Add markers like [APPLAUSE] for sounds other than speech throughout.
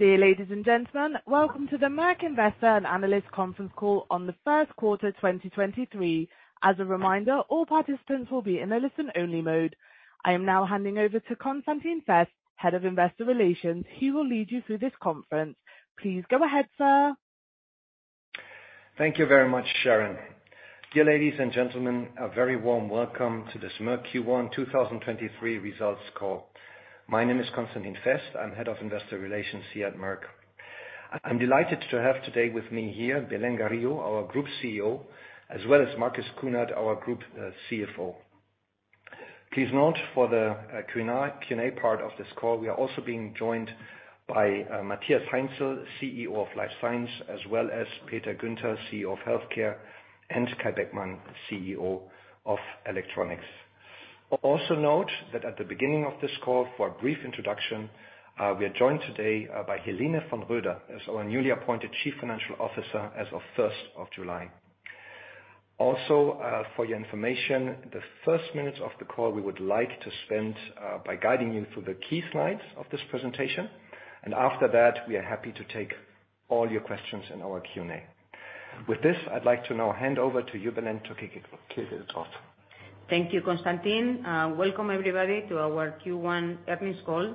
Dear ladies and gentlemen, welcome to the Merck Investor and Analyst Conference Call on the first quarter 2023. As a reminder, all participants will be in a listen-only mode. I am now handing over to Constantin Fest, head of investor relations. He will lead you through this conference. Please go ahead, sir. Thank you very much, Sharon. Dear ladies and gentlemen, a very warm welcome to this Merck Q1 2023 results call. My name is Constantin Fest. I'm Head of Investor Relations here at Merck. I'm delighted to have today with me here, Belén Garijo, our Group CEO, as well as Marcus Kuhnert, our Group CFO. Please note for the Q&A part of this call, we are also being joined by Matthias Heinzel, CEO of Life Science, as well as Peter Guenter, CEO of Healthcare, and Kai Beckmann, CEO of Electronics. Note that at the beginning of this call for a brief introduction, we are joined today by Helene von Roeder, as our newly appointed Chief Financial Officer as of 1st of July. Also, for your information, the first minutes of the call we would like to spend, by guiding you through the key slides of this presentation. After that, we are happy to take all your questions in our Q&A. With this, I'd like to now hand over to you, Belén, to kick it off. Thank you, Constantin. Welcome everybody to our Q1 earnings call.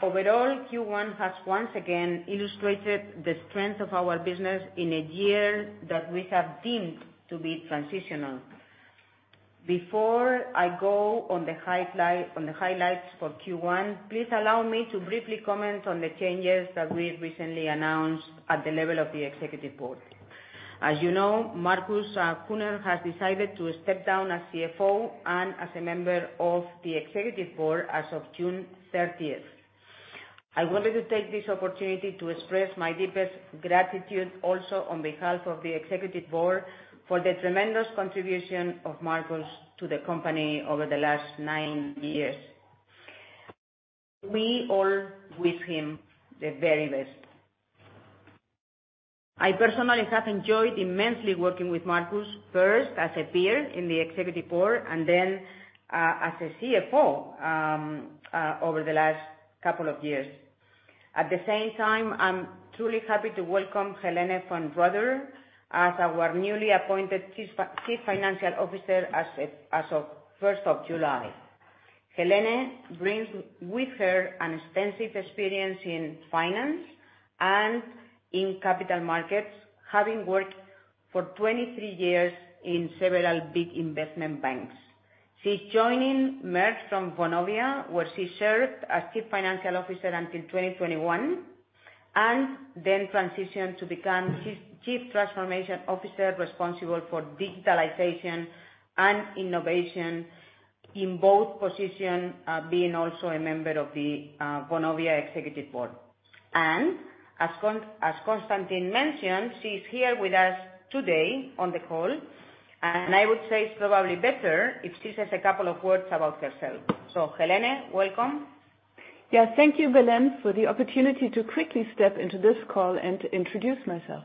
Overall, Q1 has once again illustrated the strength of our business in a year that we have deemed to be transitional. Before I go on the highlights for Q1, please allow me to briefly comment on the changes that we've recently announced at the level of the Executive Board. You know, Marcus Kuhnert has decided to step down as CFO and as a member of the Executive Board as of June 30th. I wanted to take this opportunity to express my deepest gratitude also on behalf of the Executive Board for the tremendous contribution of Marcus to the company over the last nine years. We all wish him the very best. I personally have enjoyed immensely working with Marcus, first as a peer in the executive board and then as a CFO over the last couple of years. I'm truly happy to welcome Helene von Roeder as our newly appointed Chief Financial Officer as of 1st of July. Helene brings with her an extensive experience in finance and in capital markets, having worked for 23 years in several big investment banks. She's joining Merck from Vonovia, where she served as chief financial officer until 2021, and then transitioned to become Chief Transformation Officer responsible for digitalization and innovation in both position, being also a member of the Vonovia executive board. As Constantin mentioned, she's here with us today on the call, and I would say it's probably better if she says a couple of words about herself. Helene, welcome. Thank you, Belén, for the opportunity to quickly step into this call and to introduce myself.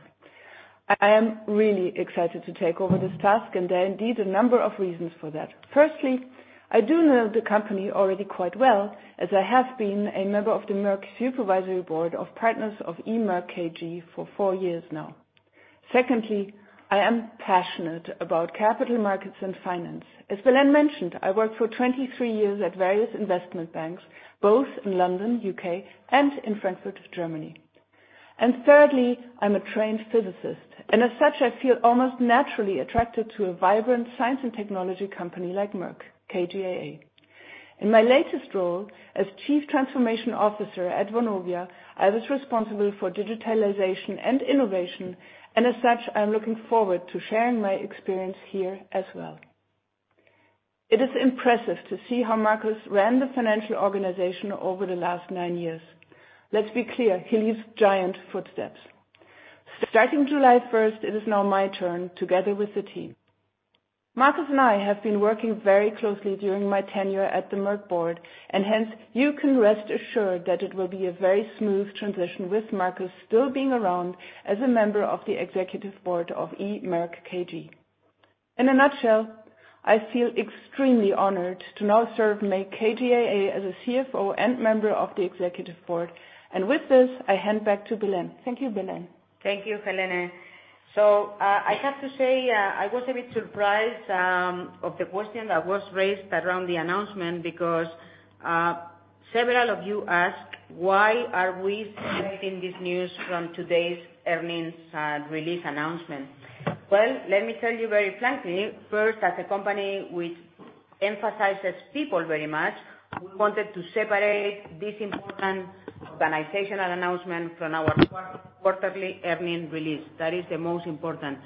I am really excited to take over this task. There are indeed a number of reasons for that. Firstly, I do know the company already quite well, as I have been a member of the Merck Supervisory Board of Partners of E. Merck KG for four years now. Secondly, I am passionate about capital markets and finance. As Belén mentioned, I worked for 23 years at various investment banks, both in London, U.K., and in Frankfurt, Germany. Thirdly, I'm a trained physicist, and as such, I feel almost naturally attracted to a vibrant science and technology company like Merck KGaA. In my latest role as chief transformation officer at Vonovia, I was responsible for digitalization and innovation, and as such, I'm looking forward to sharing my experience here as well. It is impressive to see how Marcus ran the financial organization over the last nine years. Let's be clear, he leaves giant footsteps. Starting July 1st, it is now my turn together with the team. Marcus and I have been working very closely during my tenure at the Merck board, and hence, you can rest assured that it will be a very smooth transition with Marcus still being around as a member of the executive board of E. Merck KG. In a nutshell, I feel extremely honored to now serve Merck KGaA as a CFO and member of the executive board. With this, I hand back to Belén. Thank you, Belén. Thank you, Helene. I have to say, I was a bit surprised of the question that was raised around the announcement because several of you asked why are we making this news from today's earnings release announcement. Let me tell you very frankly, first, as a company which emphasizes people very much, we wanted to separate this important organizational announcement from our quarterly earning release. That is the most important.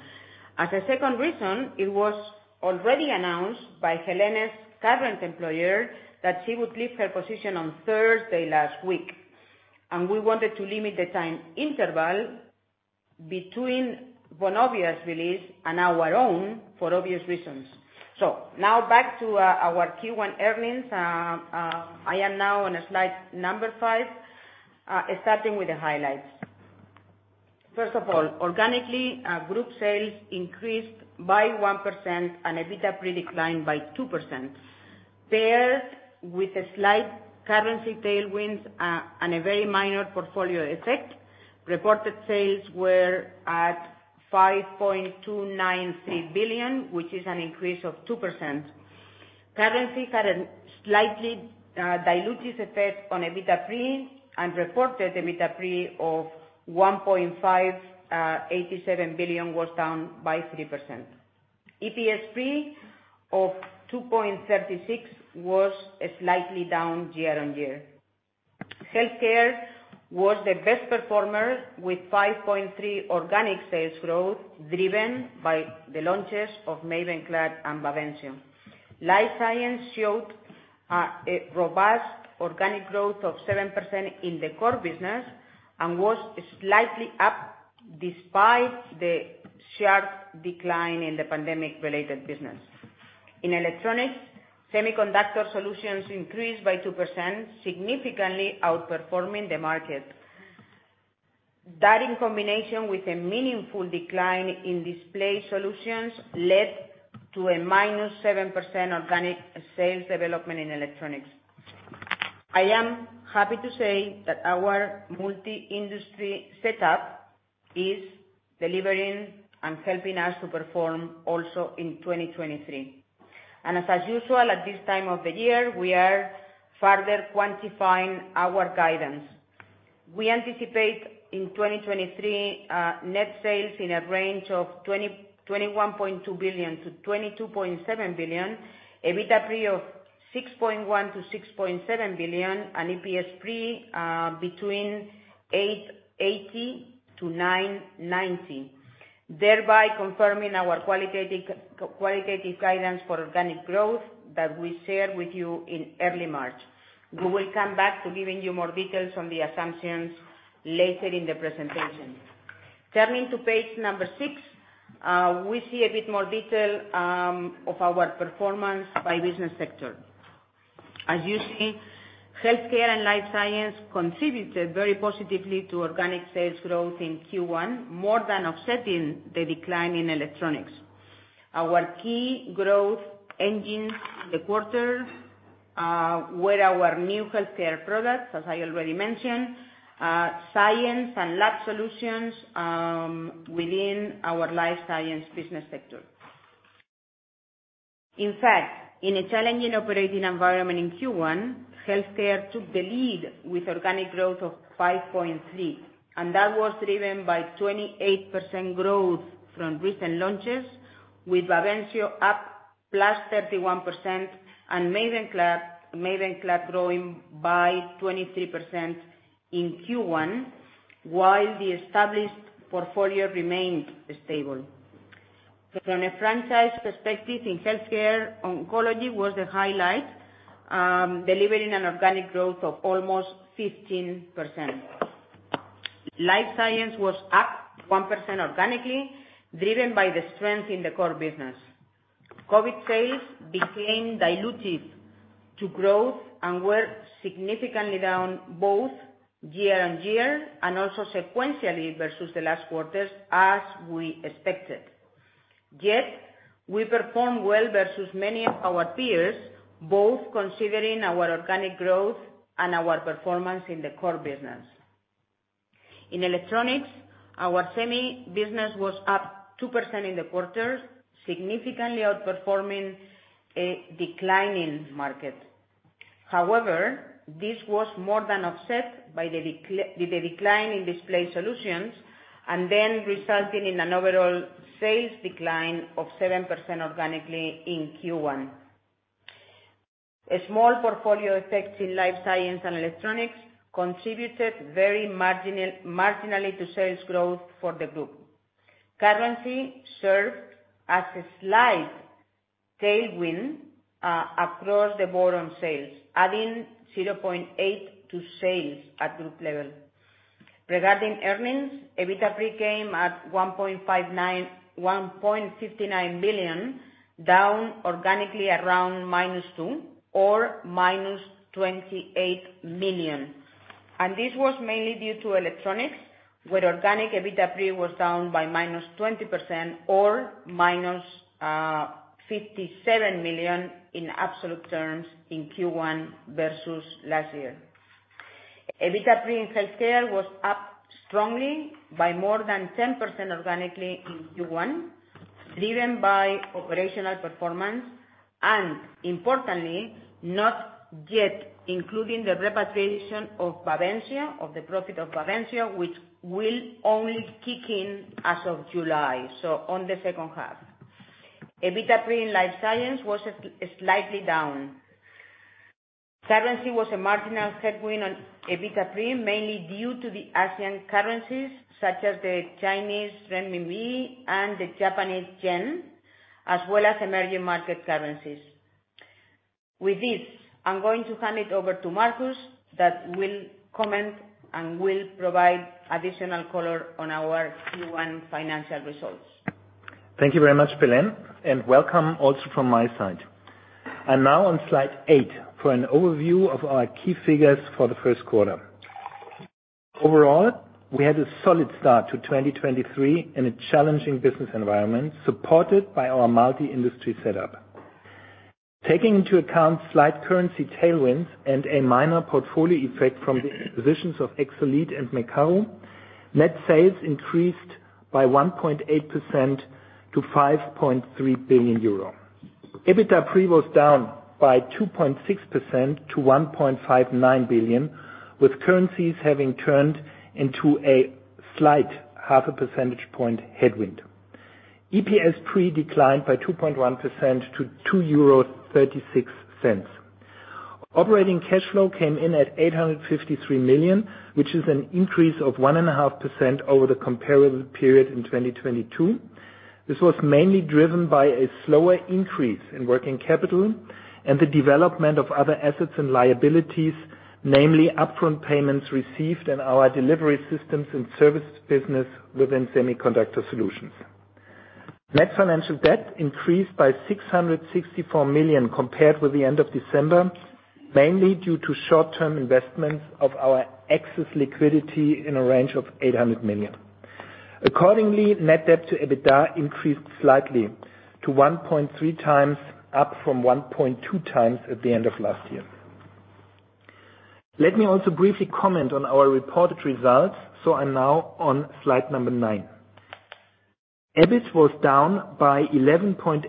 As a second reason, it was already announced by Helene's current employer that she would leave her position on Thursday last week. We wanted to limit the time interval between Vonovia's release and our own for obvious reasons. Now back to our Q1 earnings. I am now on slide number five, starting with the highlights. First of all, organically, group sales increased by 1% and EBITDA pre declined by 2%. Paired with a slight currency tailwinds and a very minor portfolio effect, reported sales were at 5.293 billion, which is an increase of 2%. Currency had a slightly dilutive effect on EBITDA pre and reported EBITDA pre of 1.587 billion was down by 3%. EPS pre of 2.76 was slightly down year-on-year. Healthcare was the best performer with 5.3% organic sales growth, driven by the launches of MAVENCLAD and Bavencio. Life Science showed a robust organic growth of 7% in the core business and was slightly up despite the sharp decline in the pandemic-related business In Electronics, Semiconductor Solutions increased by 2%, significantly outperforming the market. That, in combination with a meaningful decline in Display Solutions, led to a -7% organic sales development in Electronics. I am happy to say that our multi-industry setup is delivering and helping us to perform also in 2023. As usual at this time of the year, we are further quantifying our guidance. We anticipate in 2023, net sales in a range of 21.2 billion-22.7 billion, EBITDA pre of 6.1 billion-6.7 billion, and EPS pre between 8.80-9.90, thereby confirming our qualitative guidance for organic growth that we shared with you in early March. We will come back to giving you more details on the assumptions later in the presentation. Turning to page six, we see a bit more detail of our performance by business sector. As you see, Healthcare and Life Science contributed very positively to organic sales growth in Q1, more than offsetting the decline in Electronics. Our key growth engines in the quarter were our new Healthcare products, as I already mentioned, Science & Lab Solutions within our Life Science business sector. In fact, in a challenging operating environment in Q1, Healthcare took the lead with organic growth of 5.3%. That was driven by 28% growth from recent launches, with Bavencio up +31% and MAVENCLAD growing by 23% in Q1, while the established portfolio remained stable. From a franchise perspective in Healthcare, oncology was the highlight, delivering an organic growth of almost 15%. Life Science was up 1% organically, driven by the strength in the core business. COVID sales became dilutive to growth and were significantly down both year-over-year and also sequentially versus the last quarters, as we expected. We performed well versus many of our peers, both considering our organic growth and our performance in the core business. In Electronics, our semi business was up 2% in the quarter, significantly outperforming a declining market. This was more than offset by the decline in Display Solutions resulting in an overall sales decline of 7% organically in Q1. A small portfolio effects in Life Science and Electronics contributed very marginally to sales growth for the group. Currency served as a slight tailwind across the board on sales, adding 0.8% to sales at group level. Regarding earnings, EBITDA pre came at 1.59 billion, down organically around -2% or -28 million. This was mainly due to Electronics, where organic EBITDA pre was down by -20% or -57 million in absolute terms in Q1 versus last year. EBITDA pre in Healthcare was up strongly by more than 10% organically in Q1, driven by operational performance, importantly, not yet including the repatriation of the profit of Bavencio, which will only kick in as of July, so on the second half. EBITDA pre in Life Science was slightly down. Currency was a marginal headwind on EBITDA pre, mainly due to the Asian currencies such as the Chinese renminbi and the Japanese yen, as well as emerging market currencies. With this, I'm going to hand it over to Marcus that will comment and will provide additional color on our Q1 financial results. Thank you very much, Belén, and welcome also from my side. Now on slide eight for an overview of our key figures for the first quarter. Overall, we had a solid start to 2023 in a challenging business environment, supported by our multi-industry setup. Taking into account slight currency tailwinds and a minor portfolio effect from the acquisitions of Exelead and Mecaro, net sales increased by 1.8% to 5.3 billion euro. EBITDA pre was down by 2.6% to 1.59 billion, with currencies having turned into a slight half a percentage point headwind. EPS pre declined by 2.1% to 2.36 euros. Operating cash flow came in at 853 million, which is an increase of 1.5% over the comparable period in 2022. This was mainly driven by a slower increase in working capital and the development of other assets and liabilities, namely upfront payments received in our Delivery Systems & Services business within Semiconductor Solutions. Net financial debt increased by 664 million compared with the end of December, mainly due to short-term investments of our excess liquidity in a range of 800 million. Accordingly, net debt to EBITDA increased slightly to 1.3x, up from 1.2x at the end of last year. Let me also briefly comment on our reported results, I'm now on slide number nine. EBIT was down by 11.8%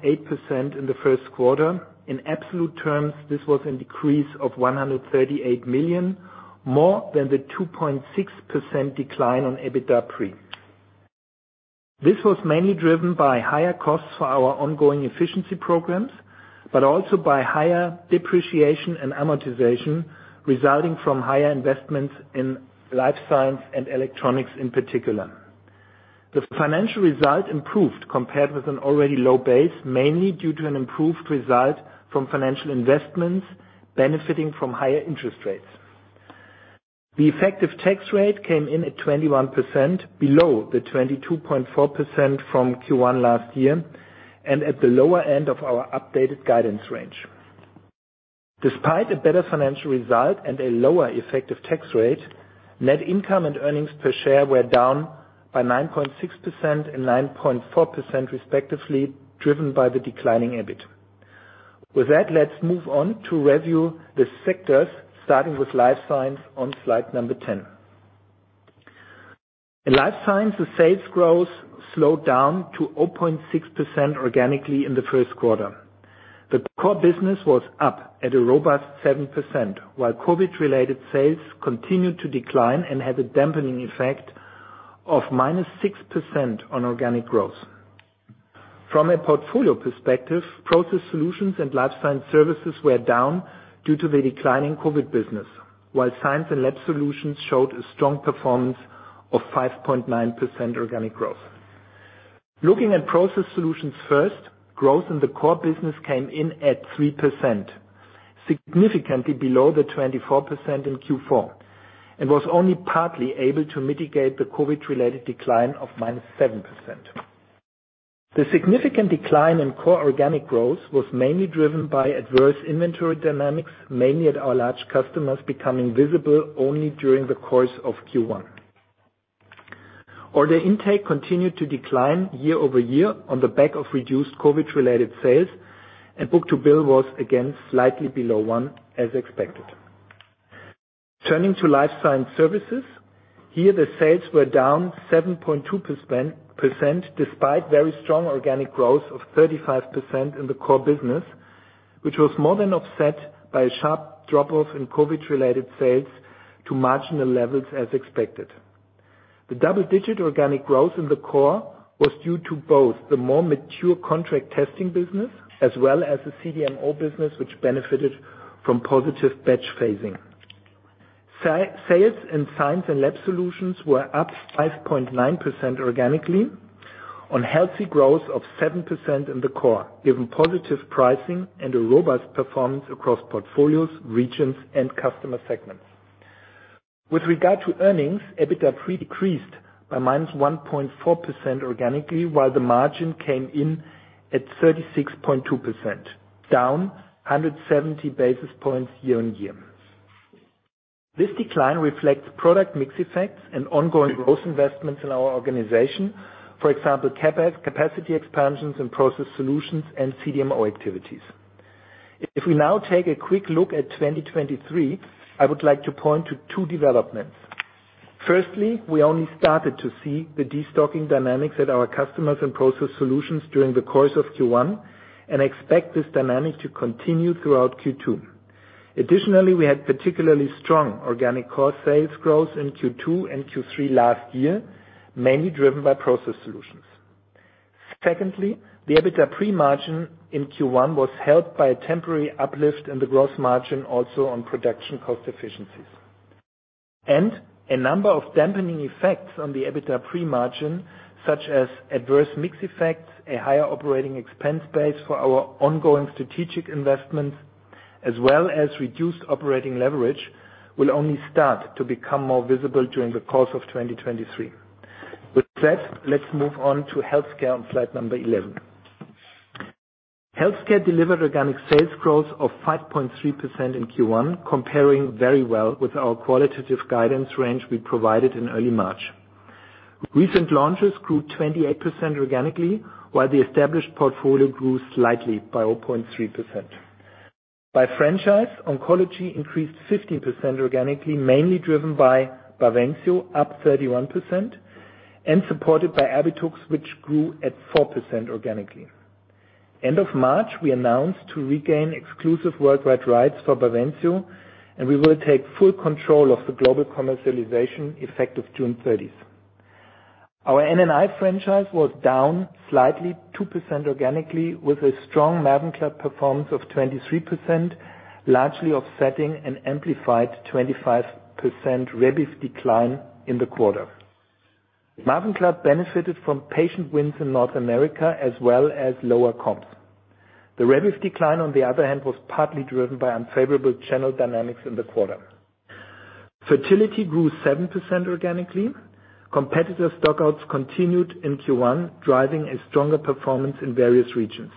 in the first quarter. In absolute terms, this was a decrease of 138 million, more than the 2.6% decline on EBITDA pre. This was mainly driven by higher costs for our ongoing efficiency programs, but also by higher depreciation and amortization, resulting from higher investments in Life Science and Electronics in particular. The financial result improved compared with an already low base, mainly due to an improved result from financial investments, benefiting from higher interest rates. The effective tax rate came in at 21% below the 22.4% from Q1 last year, and at the lower end of our updated guidance range. Despite a better financial result and a lower effective tax rate, net income and earnings per share were down by 9.6% and 9.4% respectively, driven by the declining EBIT. With that, let's move on to review the sectors starting with Life Science on slide number 10. In Life Science, the sales growth slowed down to 0.6% organically in the first quarter. The core business was up at a robust 7%, while COVID-related sales continued to decline and had a dampening effect of -6% on organic growth. From a portfolio perspective, Process Solutions and Life Science Services were down due to the declining COVID business. Science & Lab Solutions showed a strong performance of 5.9% organic growth. Looking at Process Solutions first, growth in the core business came in at 3%, significantly below the 24% in Q4, and was only partly able to mitigate the COVID-related decline of -7%. The significant decline in core organic growth was mainly driven by adverse inventory dynamics, mainly at our large customers, becoming visible only during the course of Q1. Order intake continued to decline year-over-year on the back of reduced COVID-related sales. Book-to-bill was again slightly below 1 as expected. Turning to Life Science Services. Here, the sales were down 7.2% despite very strong organic growth of 35% in the core business, which was more than offset by a sharp drop-off in COVID-related sales to marginal levels as expected. The double-digit organic growth in the core was due to both the more mature contract testing business as well as the CDMO business, which benefited from positive batch phasing. Sales and Science & Lab Solutions were up 5.9% organically on healthy growth of 7% in the core, given positive pricing and a robust performance across portfolios, regions, and customer segments. With regard to earnings, EBITDA pre-decreased by -1.4% organically, while the margin came in at 36.2%, down 170 basis points year-on-year. This decline reflects product mix effects and ongoing growth investments in our organization. For example, capacity expansions and Process Solutions and CDMO activities. We now take a quick look at 2023, I would like to point to two developments. Firstly, we only started to see the destocking dynamics at our customers and Process Solutions during the course of Q1, and expect this dynamic to continue throughout Q2. Additionally, we had particularly strong organic core sales growth in Q2 and Q3 last year, mainly driven by Process Solutions. Secondly, the EBITDA pre-margin in Q1 was helped by a temporary uplift in the growth margin also on production cost efficiencies. A number of dampening effects on the EBITDA pre-margin, such as adverse mix effects, a higher operating expense base for our ongoing strategic investments, as well as reduced operating leverage, will only start to become more visible during the course of 2023. With that, let's move on to Healthcare on slide number 11. Healthcare delivered organic sales growth of 5.3% in Q1, comparing very well with our qualitative guidance range we provided in early March. Recent launches grew 28% organically, while the established portfolio grew slightly by 0.3%. By franchise, oncology increased 15% organically, mainly driven by Bavencio, up 31%, and supported by Erbitux, which grew at 4% organically. End of March, we announced to regain exclusive worldwide rights for Bavencio, and we will take full control of the global commercialization effective June 30th. Our NNI franchise was down slightly 2% organically, with a strong MAVENCLAD performance of 23%, largely offsetting an amplified 25% Rebif decline in the quarter. MAVENCLAD benefited from patient wins in North America as well as lower comps. The Rebif decline, on the other hand, was partly driven by unfavorable channel dynamics in the quarter. Fertility grew 7% organically. Competitive stockouts continued in Q1, driving a stronger performance in various regions.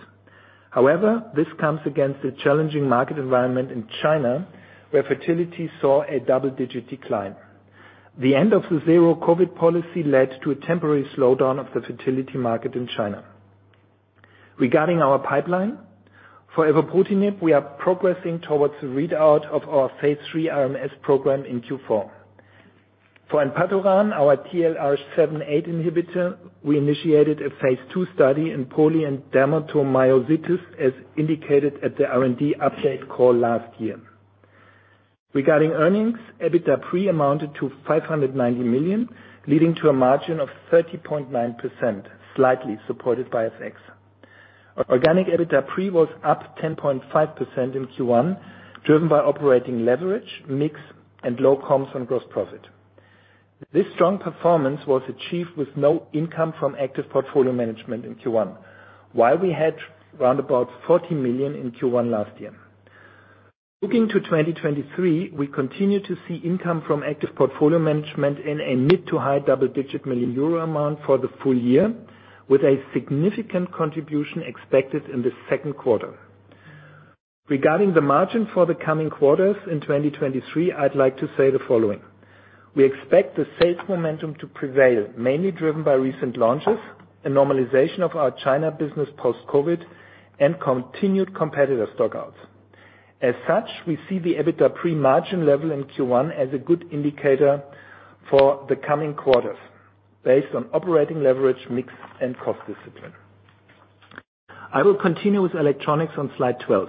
This comes against a challenging market environment in China, where fertility saw a double-digit decline. The end of the zero-COVID policy led to a temporary slowdown of the fertility market in China. Regarding our pipeline, for evobrutinib, we are progressing towards the readout of our phase III RMS program in Q4. For enpatoran, our TLR7/8 inhibitor, we initiated a phase II study in poly and dermatomyositis, as indicated at the R&D update call last year. Regarding earnings, EBITDA pre amounted to 590 million, leading to a margin of 30.9%, slightly supported by FX. Organic EBITDA pre was up 10.5% in Q1, driven by operating leverage, mix, and low comps on gross profit. This strong performance was achieved with no income from active portfolio management in Q1, while we had round about 40 million in Q1 last year. Looking to 2023, we continue to see income from active portfolio management in a mid to high double-digit million EUR amount for the full year, with a significant contribution expected in the second quarter. Regarding the margin for the coming quarters in 2023, I'd like to say the following. We expect the sales momentum to prevail, mainly driven by recent launches, a normalization of our China business post-COVID, and continued competitive stockouts. We see the EBITDA pre-margin level in Q1 as a good indicator for the coming quarters based on operating leverage, mix, and cost discipline. I will continue with Electronics on slide 12.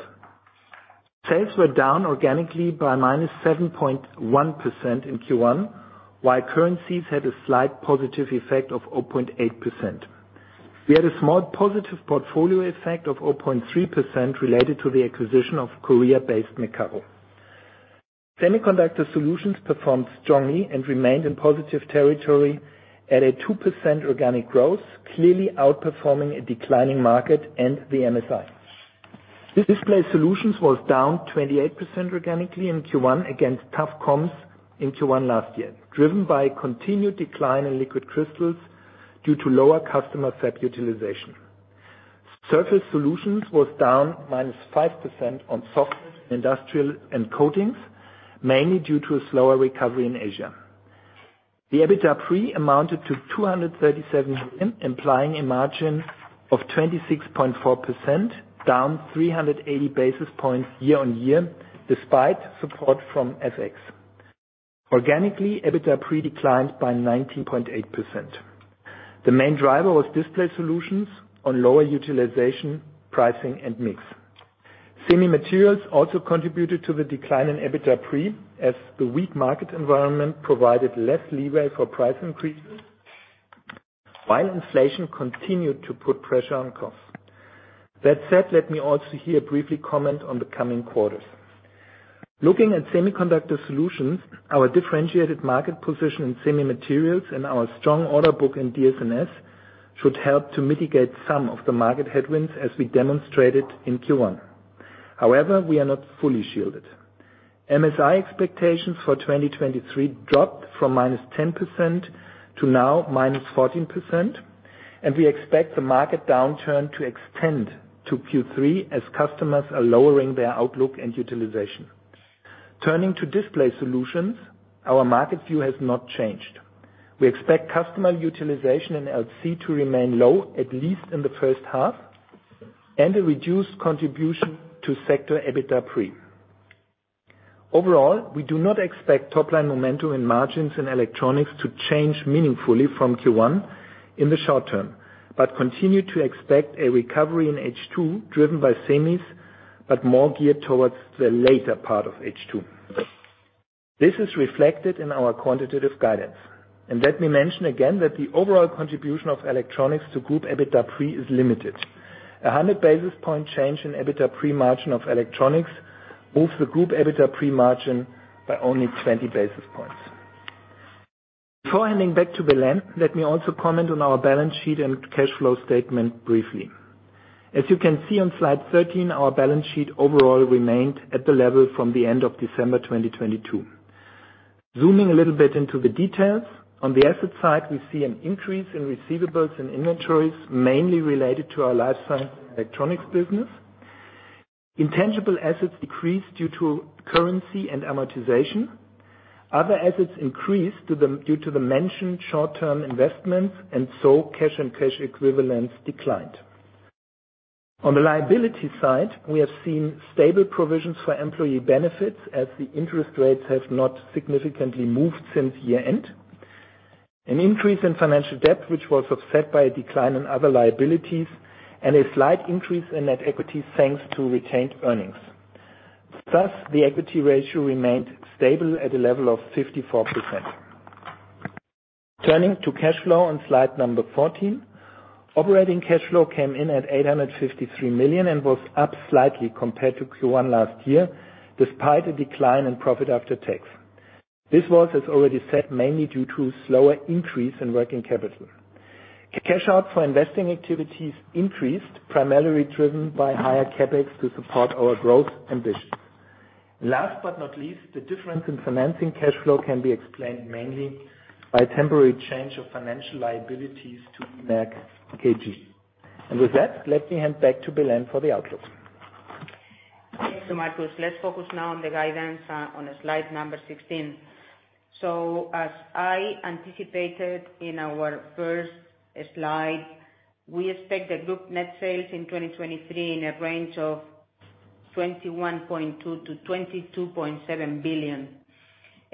Sales were down organically by -7.1% in Q1, while currencies had a slight positive effect of 0.8%. We had a small positive portfolio effect of 0.3% related to the acquisition of Korea-based Mecaro. Semiconductor Solutions performed strongly and remained in positive territory at a 2% organic growth, clearly outperforming a declining market and the MSI. Display Solutions was down 28% organically in Q1 against tough comps in Q1 last year, driven by continued decline in liquid crystals due to lower customer fab utilization. Surface Solutions was down -5% on soft industrial and coatings, mainly due to a slower recovery in Asia. The EBITDA pre amounted to 237 million, implying a margin of 26.4%, down 380 basis points year-on-year despite support from FX. Organically, EBITDA pre-declined by 19.8%. The main driver was Display Solutions on lower utilization, pricing, and mix. Semimaterials also contributed to the decline in EBITDA pre as the weak market environment provided less leeway for price increases while inflation continued to put pressure on costs. That said, let me also here briefly comment on the coming quarters. Looking at Semiconductor Solutions, our differentiated market position in semimaterials and our strong order book in DSNS should help to mitigate some of the market headwinds as we demonstrated in Q1. We are not fully shielded. MSI expectations for 2023 dropped from -10% to now -14%. We expect the market downturn to extend to Q3 as customers are lowering their outlook and utilization. Turning to Display Solutions, our market view has not changed. We expect customer utilization in LC to remain low, at least in the first half, and a reduced contribution to sector EBITDA pre. We do not expect top-line momentum in margins and electronics to change meaningfully from Q1 in the short term, but continue to expect a recovery in H2 driven by semis but more geared towards the later part of H2. This is reflected in our quantitative guidance. Let me mention again that the overall contribution of Electronics to group EBITDA pre is limited. 100 basis point change in EBITDA pre-margin of Electronics moves the group EBITDA pre-margin by only 20 basis points. Before handing back to Belén, let me also comment on our balance sheet and cash flow statement briefly. As you can see on slide 13, our balance sheet overall remained at the level from the end of December 2022. Zooming a little bit into the details, on the asset side, we see an increase in receivables and inventories, mainly related to our Life Science and Electronics business. Intangible assets decreased due to currency and amortization. Other assets increased due to the mentioned short-term investments, and so cash and cash equivalents declined. On the liability side, we have seen stable provisions for employee benefits, as the interest rates have not significantly moved since year-end. An increase in financial debt, which was offset by a decline in other liabilities and a slight increase in net equity thanks to retained earnings. Thus, the equity ratio remained stable at a level of 54%. Turning to cash flow on slide number 14. Operating cash flow came in at 853 million and was up slightly compared to Q1 last year, despite a decline in profit after tax. This was, as already said, mainly due to slower increase in working capital. Cash out for investing activities increased, primarily driven by higher CapEx to support our growth ambition. Last but not least, the difference in financing cash flow can be explained mainly by temporary change of financial liabilities to Merck KG. With that, let me hand back to Belén for the outlook. Thanks to Marcus. Let's focus now on the guidance, on slide number 16. As I anticipated in our first slide, we expect the group net sales in 2023 in a range of 21.2 billion-22.7 billion.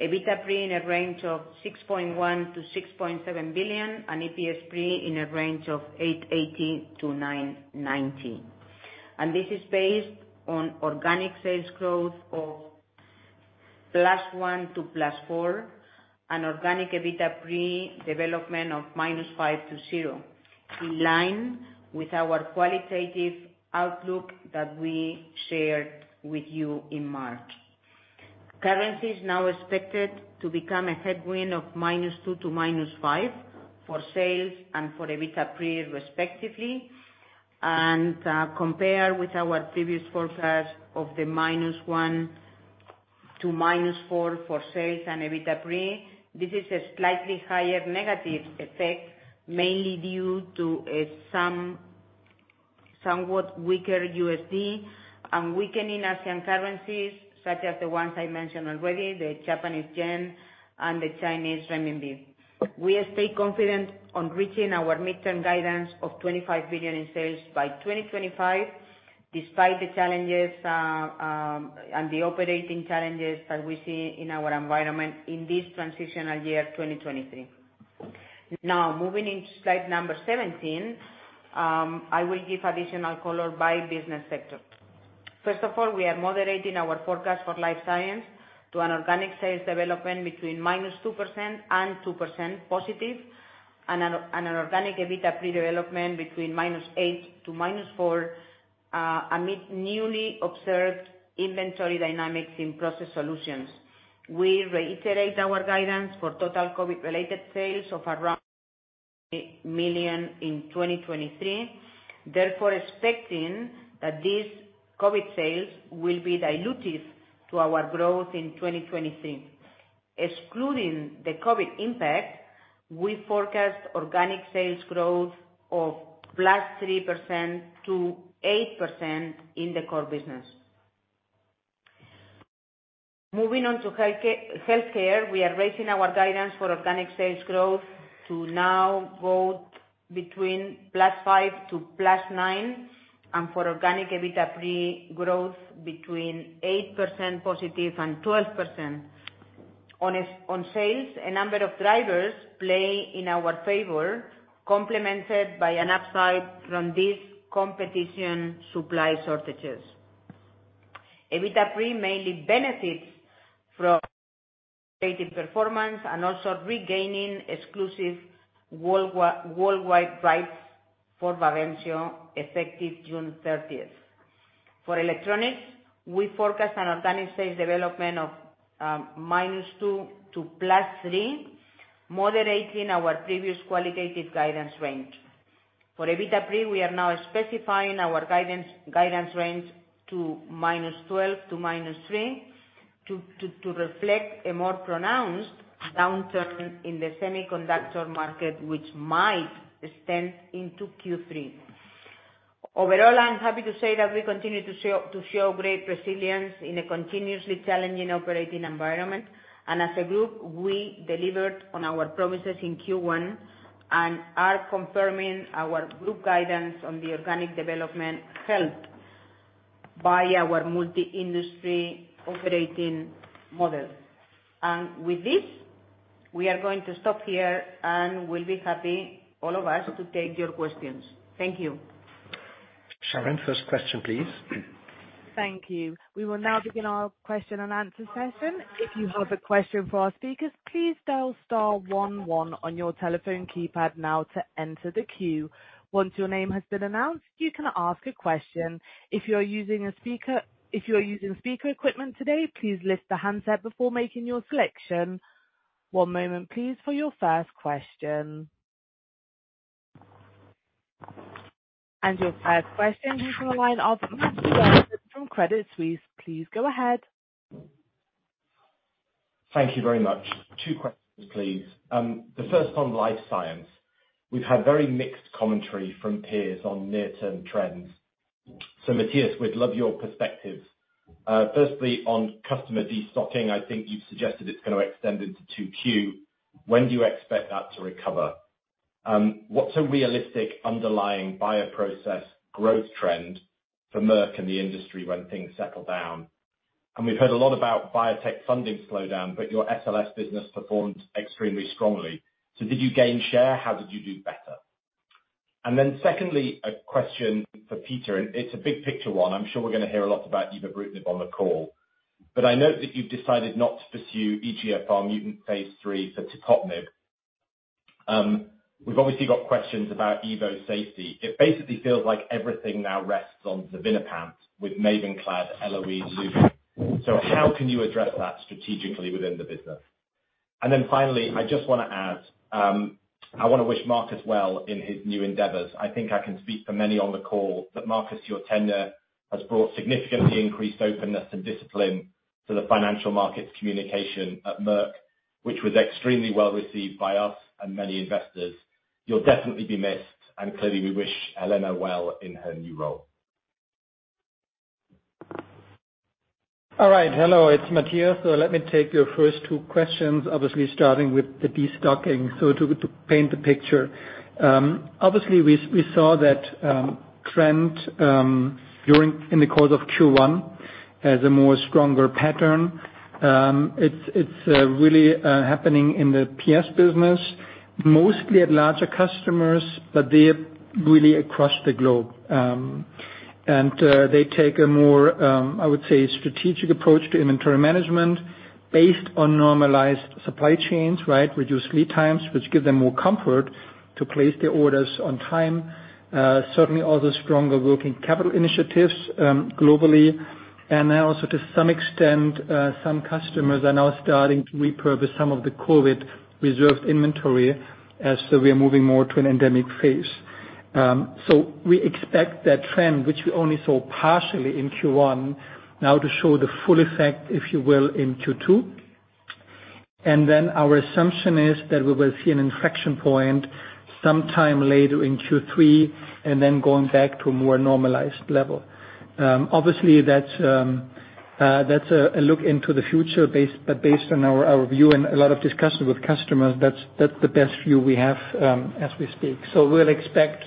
EBITDA pre in a range of 6.1 billion-6.7 billion, and EPS pre in a range of 8.80-9.90. This is based on organic sales growth of +1% to +4%, organic EBITDA pre development of -5% to 0%, in line with our qualitative outlook that we shared with you in March. Currency is now expected to become a headwind of -2% to -5% for sales and for EBITDA pre respectively. Compared with our previous forecast of -1% to -4% for sales and EBITDA pre, this is a slightly higher negative effect, mainly due to a somewhat weaker USD and weakening Asian currencies, such as the ones I mentioned already, the Japanese yen and the Chinese renminbi. We stay confident on reaching our midterm guidance of 25 billion in sales by 2025, despite the challenges and the operating challenges that we see in our environment in this transitional year, 2023. Moving into slide number 17, I will give additional color by business sector. First of all, we are moderating our forecast for Life Science to an organic sales development between -2% and 2% positive, and an organic EBITDA pre development between -8% to -4% amid newly observed inventory dynamics in Process Solutions. We reiterate our guidance for total COVID-related sales of around 1 million in 2023, therefore expecting that these COVID sales will be dilutive to our growth in 2023. Excluding the COVID impact, we forecast organic sales growth of +3% to +8% in the core business. Moving on to Healthcare, we are raising our guidance for organic sales growth to now growth between +5% to +9%, and for organic EBITDA pre growth between +8% and 12%. On sales, a number of drivers play in our favor, complemented by an upside from this competition, supply shortages. EBITDA pre mainly benefits from operating performance and also regaining exclusive worldwide rights for Bavencio, effective June 30th. For Electronics, we forecast an organic sales development of -2% to +3%, moderating our previous qualitative guidance range. For EBITDA pre, we are now specifying our guidance range to -12 to -3, to reflect a more pronounced downturn in the semiconductor market, which might extend into Q3. Overall, I'm happy to say that we continue to show great resilience in a continuously challenging operating environment. As a group, we delivered on our promises in Q1 and are confirming our group guidance on the organic development helped by our multi-industry operating model. With this, we are going to stop here, and we'll be happy, all of us, to take your questions. Thank you. Sharon, first question, please. Thank you. We will now begin our question and answer session. If you have a question for our speakers, please dial star one one on your telephone keypad now to enter the queue. Once your name has been announced, you can ask a question. If you are using speaker equipment today, please list the handset before making your selection. One moment please, for your first question. Your first question comes from the line of [AUDIO DISTORTION] from Credit Suisse. Please go ahead. Thank you very much. Two questions, please. The first on Life Science, we've had very mixed commentary from peers on near-term trends. Matthias, we'd love your perspective. Firstly, on customer destocking, I think you've suggested it's gonna extend into 2Q. When do you expect that to recover? What's a realistic underlying buyer process growth trend for Merck and the industry when things settle down? We've heard a lot about biotech funding slowdown, but your SLS business performed extremely strongly. Did you gain share? How did you do better? Secondly, a question for Peter, and it's a big picture one. I'm sure we're gonna hear a lot about evobrutinib on the call. I note that you've decided not to pursue EGFR mutant phase III for tepotinib. We've obviously got questions about ibo safety. It basically feels like everything now rests on xevinapant with MAVENCLAD, ELOCTATE. How can you address that strategically within the business? Finally, I just wanna add, I wanna wish Marcus well in his new endeavors. I think I can speak for many on the call that Marcus, your tenure has brought significantly increased openness and discipline to the financial markets communication at Merck, which was extremely well-received by us and many investors. You'll definitely be missed, and clearly we wish Helene well in her new role. All right. Hello, it's Matthias. Let me take your first two questions, obviously starting with the destocking. To paint the picture. Obviously we saw that trend during, in the course of Q1 as a more stronger pattern. It's really happening in the PS business, mostly at larger customers, but they're really across the globe. And they take a more, I would say, strategic approach to inventory management based on normalized supply chains, right? Reduced lead times, which give them more comfort to place their orders on time. Certainly also stronger working capital initiatives globally. Now also to some extent, some customers are now starting to repurpose some of the COVID reserved inventory, as we are moving more to an endemic phase. We expect that trend, which we only saw partially in Q1, now to show the full effect, if you will, in Q2. Our assumption is that we will see an inflection point sometime later in Q3, and then going back to a more normalized level. Obviously that's a look into the future based on our view and a lot of discussions with customers, that's the best view we have as we speak. We'll expect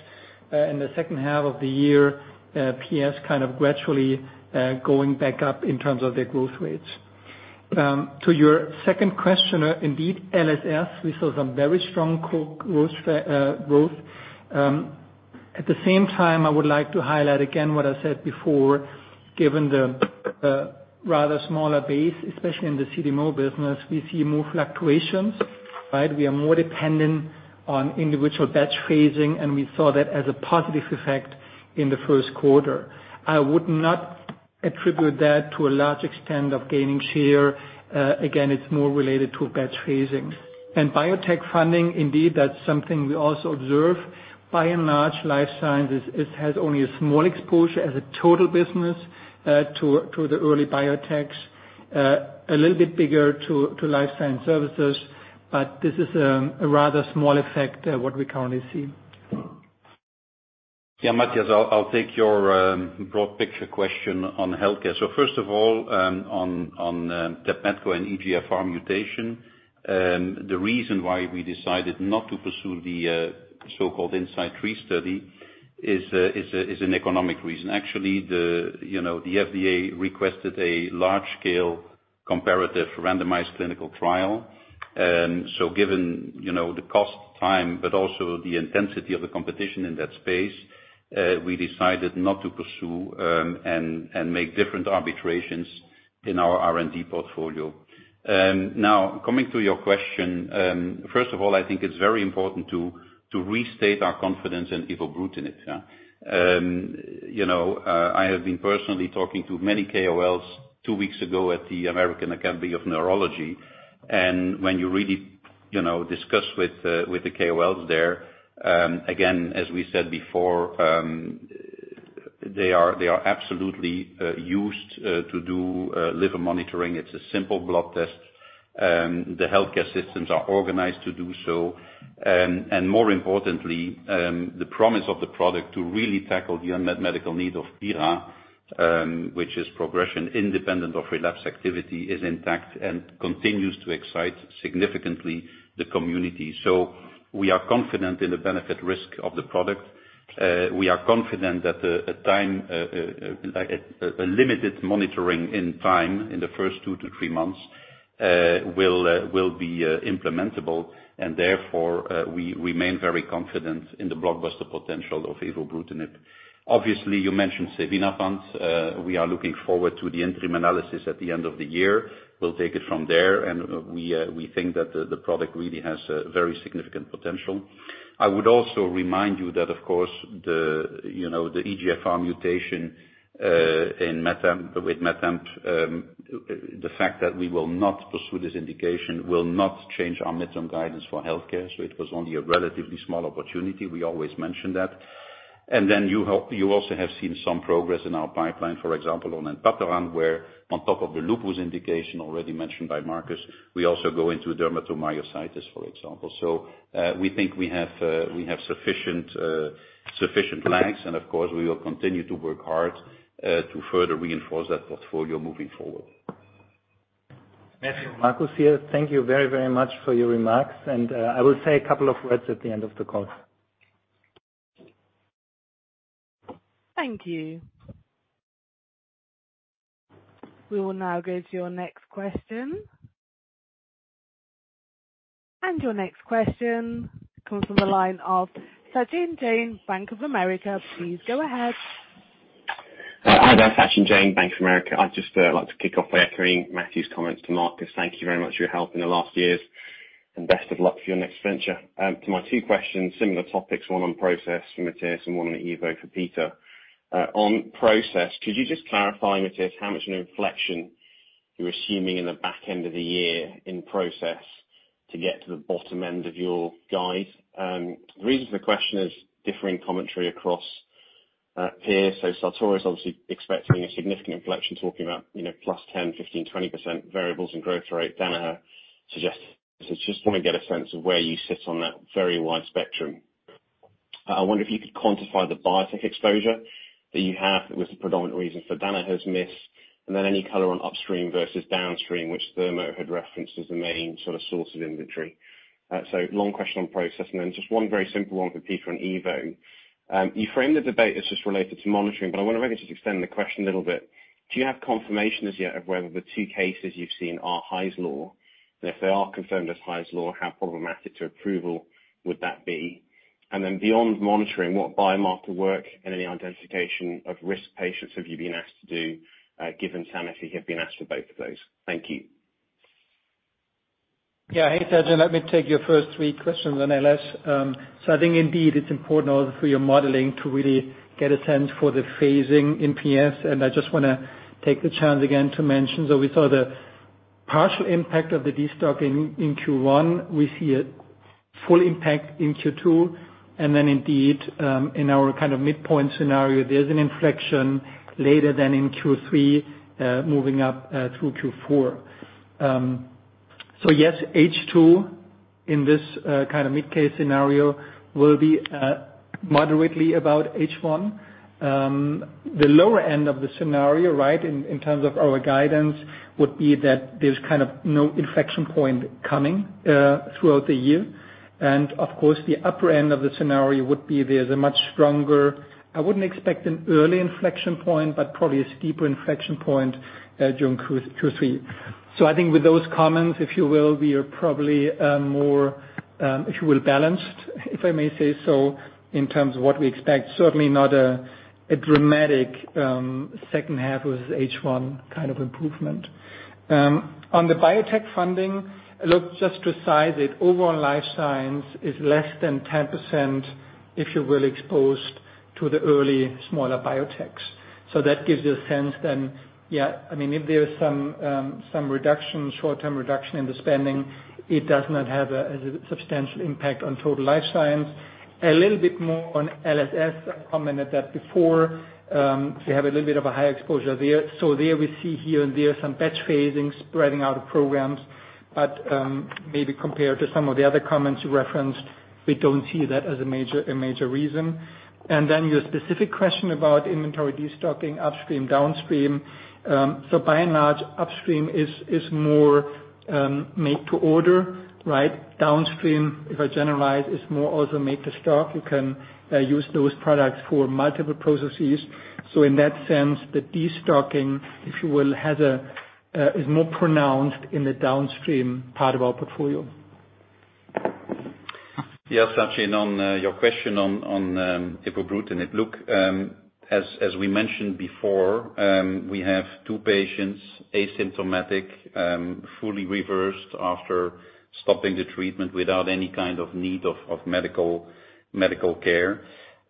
in the second half of the year, PS kind of gradually going back up in terms of their growth rates. To your second question, indeed, LSS, we saw some very strong growth. At the same time, I would like to highlight again what I said before, given the rather smaller base, especially in the CDMO business, we see more fluctuations, right. We are more dependent on individual batch phasing, and we saw that as a positive effect in the first quarter. I would not attribute that to a large extent of gaining share. Again, it's more related to batch phasing. Biotech funding, indeed, that's something we also observe. By and large, Life Science has only a small exposure as a total business to the early biotechs, a little bit bigger to Life Science Services, but this is a rather small effect what we currently see. Yeah, Matthias, I'll take your broad picture question on healthcare. First of all, on TEPMETKO and EGFR mutation, the reason why we decided not to pursue the so-called INSIGHT 3 study is an economic reason. Actually, you know, the FDA requested a large scale comparative randomized clinical trial. Given, you know, the cost, time, but also the intensity of the competition in that space, we decided not to pursue and make different arbitrations in our R&D portfolio. Now coming to your question, first of all, I think it's very important to restate our confidence in evobrutinib. You know, I have been personally talking to many KOLs two weeks ago at the American Academy of Neurology. When you really, you know, discuss with the KOLs there, again, as we said before, they are absolutely used to do liver monitoring. It's a simple blood test. The healthcare systems are organized to do so. More importantly, the promise of the product to really tackle the unmet medical need of PIRA, which is progression independent of relapse activity, is intact and continues to excite significantly the community. We are confident in the benefit risk of the product. We are confident that a time like a limited monitoring in time in the first two to three months will be implementable, and therefore, we remain very confident in the blockbuster potential of evobrutinib. Obviously, you mentioned xevinapant. We are looking forward to the interim analysis at the end of the year. We'll take it from there. We think that the product really has a very significant potential. I would also remind you that, of course, you know, the EGFR mutation in MET-amp, with MET-amp, the fact that we will not pursue this indication will not change our mid-term guidance for Healthcare. It was only a relatively small opportunity. We always mention that. You also have seen some progress in our pipeline, for example, on enpatoran, where on top of the lupus indication already mentioned by Marcus, we also go into dermatomyositis, for example. We think we have sufficient lags. Of course, we will continue to work hard to further reinforce that portfolio moving forward. Matthew, Marcus here. Thank you very, very much for your remarks. I will say a couple of words at the end of the call. Thank you. We will now go to your next question. Your next question comes from the line of Sachin Jain, Bank of America. Please go ahead. Hi there. Sachin Jain, Bank of America. I'd just like to kick off by echoing Matthew's comments to Marcus. Thank you very much for your help in the last years, best of luck for your next venture. To my two questions, similar topics, one on process for Matthias and one on Evo for Peter. On process, could you just clarify, Matthias, how much inflection you're assuming in the back end of the year in process to get to the bottom end of your guide? The reason for the question is differing commentary across peers. Sartorius obviously expecting a significant inflection, talking about, you know, +10%, 15%, 20% variables in growth rate. Danaher suggests... I just wanna get a sense of where you sit on that very wide spectrum. I wonder if you could quantify the biotech exposure that you have. That was the predominant reason for Danaher's miss. Any color on upstream versus downstream, which Thermo had referenced as the main sort of source of inventory. Long question on process, then just one very simple one for Peter on Evo. You framed the debate as just related to monitoring, but I wanna maybe just extend the question a little bit. Do you have confirmation as yet of whether the two cases you've seen are Hy's Law? If they are confirmed as Hy's Law, how problematic to approval would that be? Beyond monitoring, what biomarker work and any identification of risk patients have you been asked to do, given Sanofi have been asked for both of those? Thank you. Yeah. Hey, Sachin. Let me take your first three questions on LS. I think indeed it's important also for your modeling to really get a sense for the phasing in PS. I just wanna take the chance again to mention that we saw the partial impact of the destock in Q1. We see a full impact in Q2. Then indeed, in our kind of midpoint scenario, there's an inflection later than in Q3, moving up through Q4. Yes, H2 in this kinda mid-case scenario will be moderately about H1. The lower end of the scenario, right, in terms of our guidance would be that there's kind of no inflection point coming throughout the year. Of course, the upper end of the scenario would be there's a much stronger... I wouldn't expect an early inflection point, but probably a steeper inflection point during Q3. I think with those comments, if you will, we are probably more, if you will, balanced, if I may say so, in terms of what we expect. Certainly not a dramatic second half versus H1 kind of improvement. On the biotech funding, look, just to size it, overall Life Science is less than 10%, if you will, exposed to the early smaller biotechs. That gives you a sense then, yeah, I mean, if there's some reduction, short-term reduction in the spending, it does not have a substantial impact on total Life Science. A little bit more on LSS. I commented that before. We have a little bit of a high exposure there. There we see here and there some batch phasing spreading out of programs, but maybe compared to some of the other comments you referenced, we don't see that as a major reason. Your specific question about inventory destocking upstream, downstream. By and large, upstream is more made to order, right? Downstream, if I generalize, is more also made to stock. You can use those products for multiple processes. In that sense, the destocking, if you will, has a more pronounced in the downstream part of our portfolio. Yeah, Sachin, on your question on evobrutinib, look, as we mentioned before, we have two patients, asymptomatic, fully reversed after stopping the treatment without any kind of need of medical care.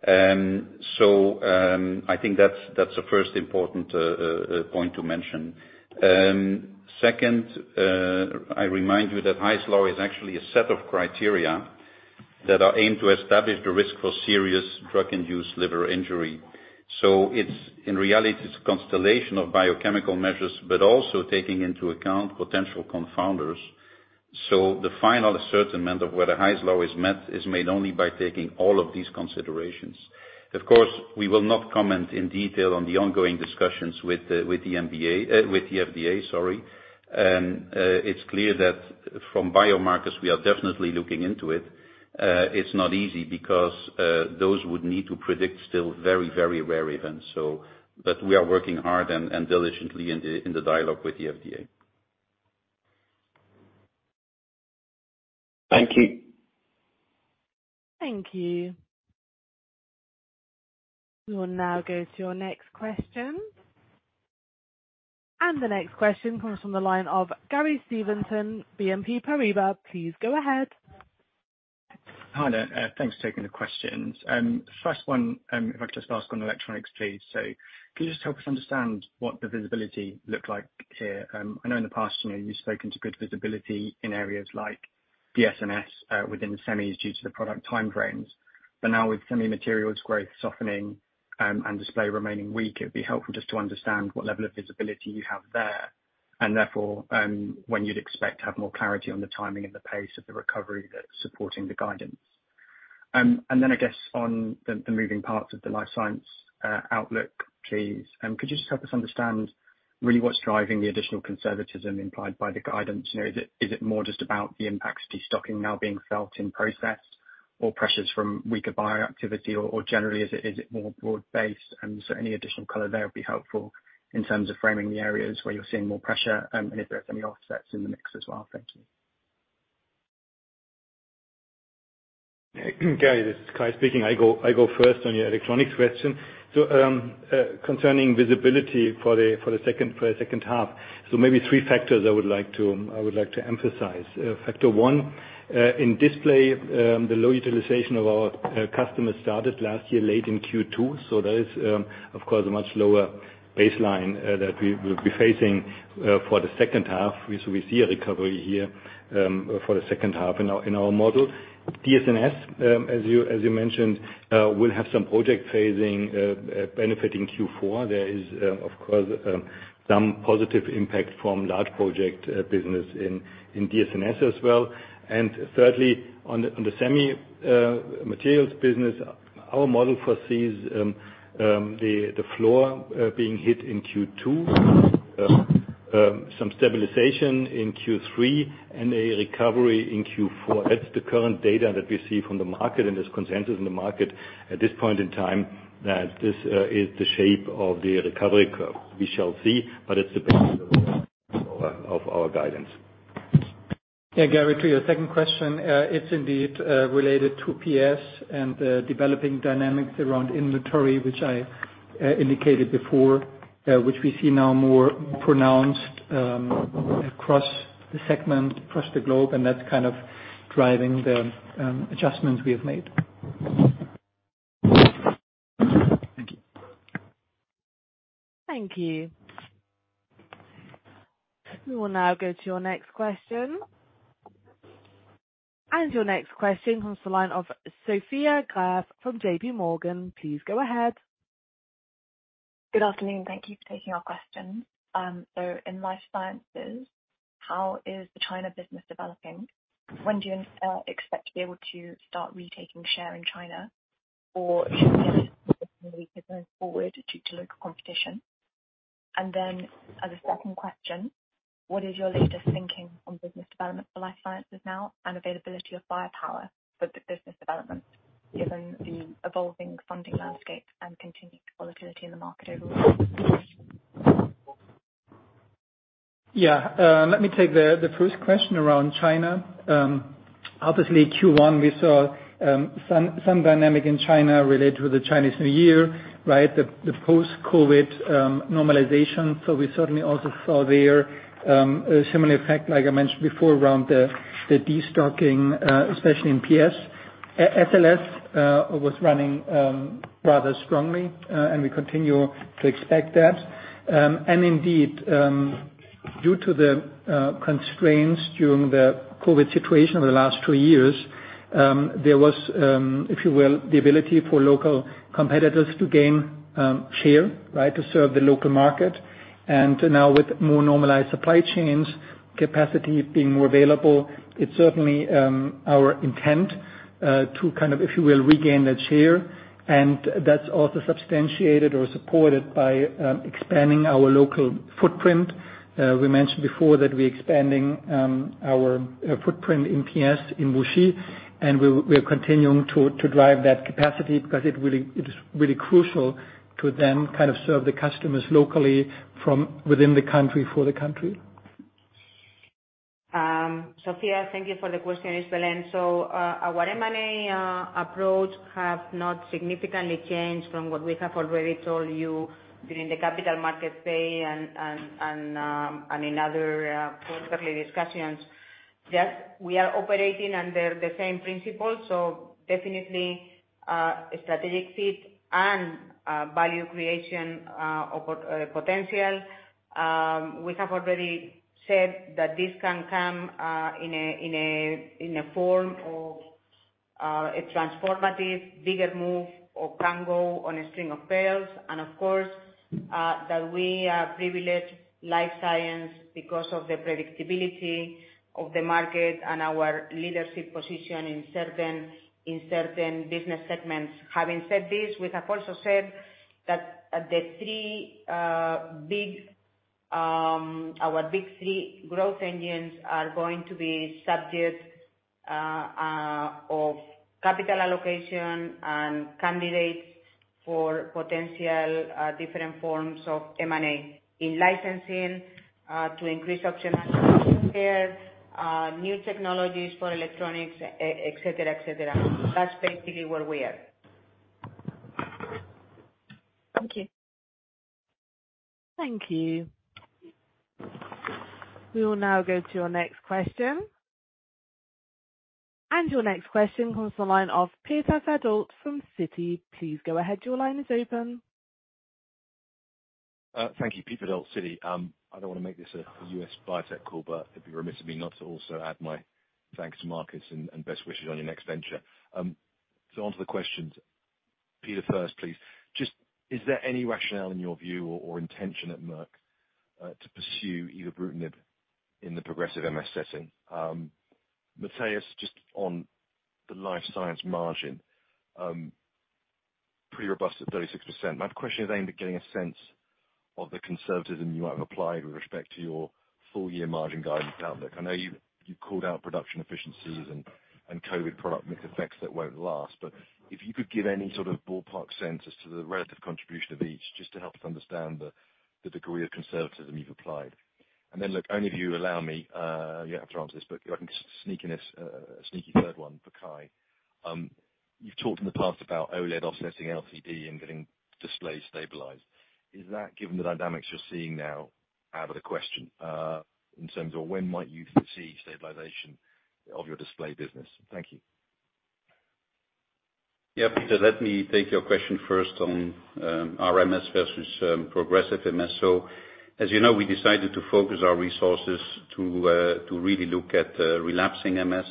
I think that's the first important point to mention. Second, I remind you that Hy's Law is actually a set of criteria that are aimed to establish the risk for serious drug-induced liver injury. It's, in reality, it's a constellation of biochemical measures, but also taking into account potential confounders. The final ascertainment of whether Hy's Law is met is made only by taking all of these considerations. Of course, we will not comment in detail on the ongoing discussions with the FDA, sorry. It's clear that from biomarkers, we are definitely looking into it. It's not easy because those would need to predict still very, very rare events. But we are working hard and diligently in the dialogue with the FDA. Thank you. Thank you. We will now go to your next question. The next question comes from the line of Gary Steventon, BNP Paribas. Please go ahead. Hi there. Thanks for taking the questions. First one, if I could just ask on Electronics, please. Can you just help us understand what the visibility looked like here? I know in the past, you know, you've spoken to good visibility in areas like DSNS, within the semis due to the product time frames. Now with semi materials growth softening, and Display remaining weak, it'd be helpful just to understand what level of visibility you have there and therefore, when you'd expect to have more clarity on the timing and the pace of the recovery that's supporting the guidance. Then I guess on the moving parts of the Life Science outlook, please, could you just help us understand really what's driving the additional conservatism implied by the guidance? You know, is it more just about the impact of destocking now being felt in process or pressures from weaker buyer activity or generally, is it more broad-based? Any additional color there would be helpful in terms of framing the areas where you're seeing more pressure, and if there are any offsets in the mix as well. Thank you. Gary, this is Kai speaking. I go first on your Electronics question. Concerning visibility for the second half. Maybe three factors I would like to emphasize. Factor one, in Display, the low utilization of our customers started last year, late in Q2. There is, of course a much lower baseline that we will be facing for the second half. We see a recovery here for the second half in our model. DSNS, as you mentioned, will have some project phasing benefiting Q4. There is, of course, some positive impact from large project business in DSNS as well. Thirdly, on the semi materials business, our model foresees the floor being hit in Q2, some stabilization in Q3, and a recovery in Q4. That's the current data that we see from the market and this consensus in the market at this point in time, that this is the shape of the recovery curve. We shall see, but it's the basis of our guidance. Gary, to your second question, it's indeed related to PS and developing dynamics around inventory, which I indicated before, which we see now more pronounced across the segment, across the globe, and that's kind of driving the adjustments we have made. Thank you. Thank you. We will now go to your next question. Your next question comes from the line of Sophia [AUDIO DISTORTION] from J.P. Morgan. Please go ahead. Good afternoon. Thank you for taking our question. In Life Science, how is the China business developing? When do you expect to be able to start retaking share in China, or should we going forward due to local competition? As a second question, what is your latest thinking on business development for Life Science now and availability of firepower for the business development, given the evolving funding landscape and continued volatility in the market overall? Yeah. Let me take the first question around China. Obviously Q1 we saw some dynamic in China related to the Chinese New Year, right? The post-COVID normalization. We certainly also saw there a similar effect, like I mentioned before, around the destocking, especially in PS. SLS was running rather strongly, and we continue to expect that. Indeed, due to the constraints during the COVID situation over the last two years, there was, if you will, the ability for local competitors to gain share, right? To serve the local market. Now with more normalized supply chains, capacity being more available, it's certainly our intent to kind of, if you will, regain that share. That's also substantiated or supported by expanding our local footprint. We mentioned before that we're expanding our footprint in PS in Wuxi, and we're continuing to drive that capacity because it is really crucial to then kind of serve the customers locally from within the country for the country. Sophia, thank you for the question. It's Belén. Our M&A approach has not significantly changed from what we have already told you during the capital market day and in other quarterly discussions, that we are operating under the same principles, so definitely, a strategic fit and value creation, or potential. We have already said that this can come in a form of a transformative bigger move or combo on a string of pearls. Of course, that we are privileged Life Science because of the predictability of the market and our leadership position in certain business segments. Having said this, we have also said that our big three growth engines are going to be subject of capital allocation and candidates for potential different forms of M&A, in licensing to increase optionality there, new technologies for electronics, et cetera, et cetera. That's basically where we are. Thank you. We will now go to your next question. Your next question comes on the line of Peter [AUDIO DISTORTION] from Citi. Please go ahead. Your line is open. Thank you. Peter, Citi. I don't wanna make this a U.S. biotech call, but it'd be remiss of me not to also add my thanks to Marcus and best wishes on your next venture. Onto the questions. Peter first, please. Is there any rationale in your view or intention at Merck to pursue evobrutinib in the progressive MS setting? Matthias, just on the Life Science margin, pretty robust at 36%. My question is aimed at getting a sense of the conservatism you have applied with respect to your full year margin guidance outlook. I know you called out production efficiencies and COVID product mix effects that won't last. If you could give any sort of ballpark sense as to the relative contribution of each, just to help us understand the degree of conservatism you've applied. Then, look, only if you allow me, you don't have to answer this, but if I can sneak in a sneaky third one for Kai. You've talked in the past about OLED offsetting LCD and getting displays stabilized. Is that given the dynamics you're seeing now out of the question, in terms of when might you foresee stabilization of your display business? Thank you. Yeah, Peter, let me take your question first on RMS versus progressive MS. As you know, we decided to focus our resources to really look at relapsing MS.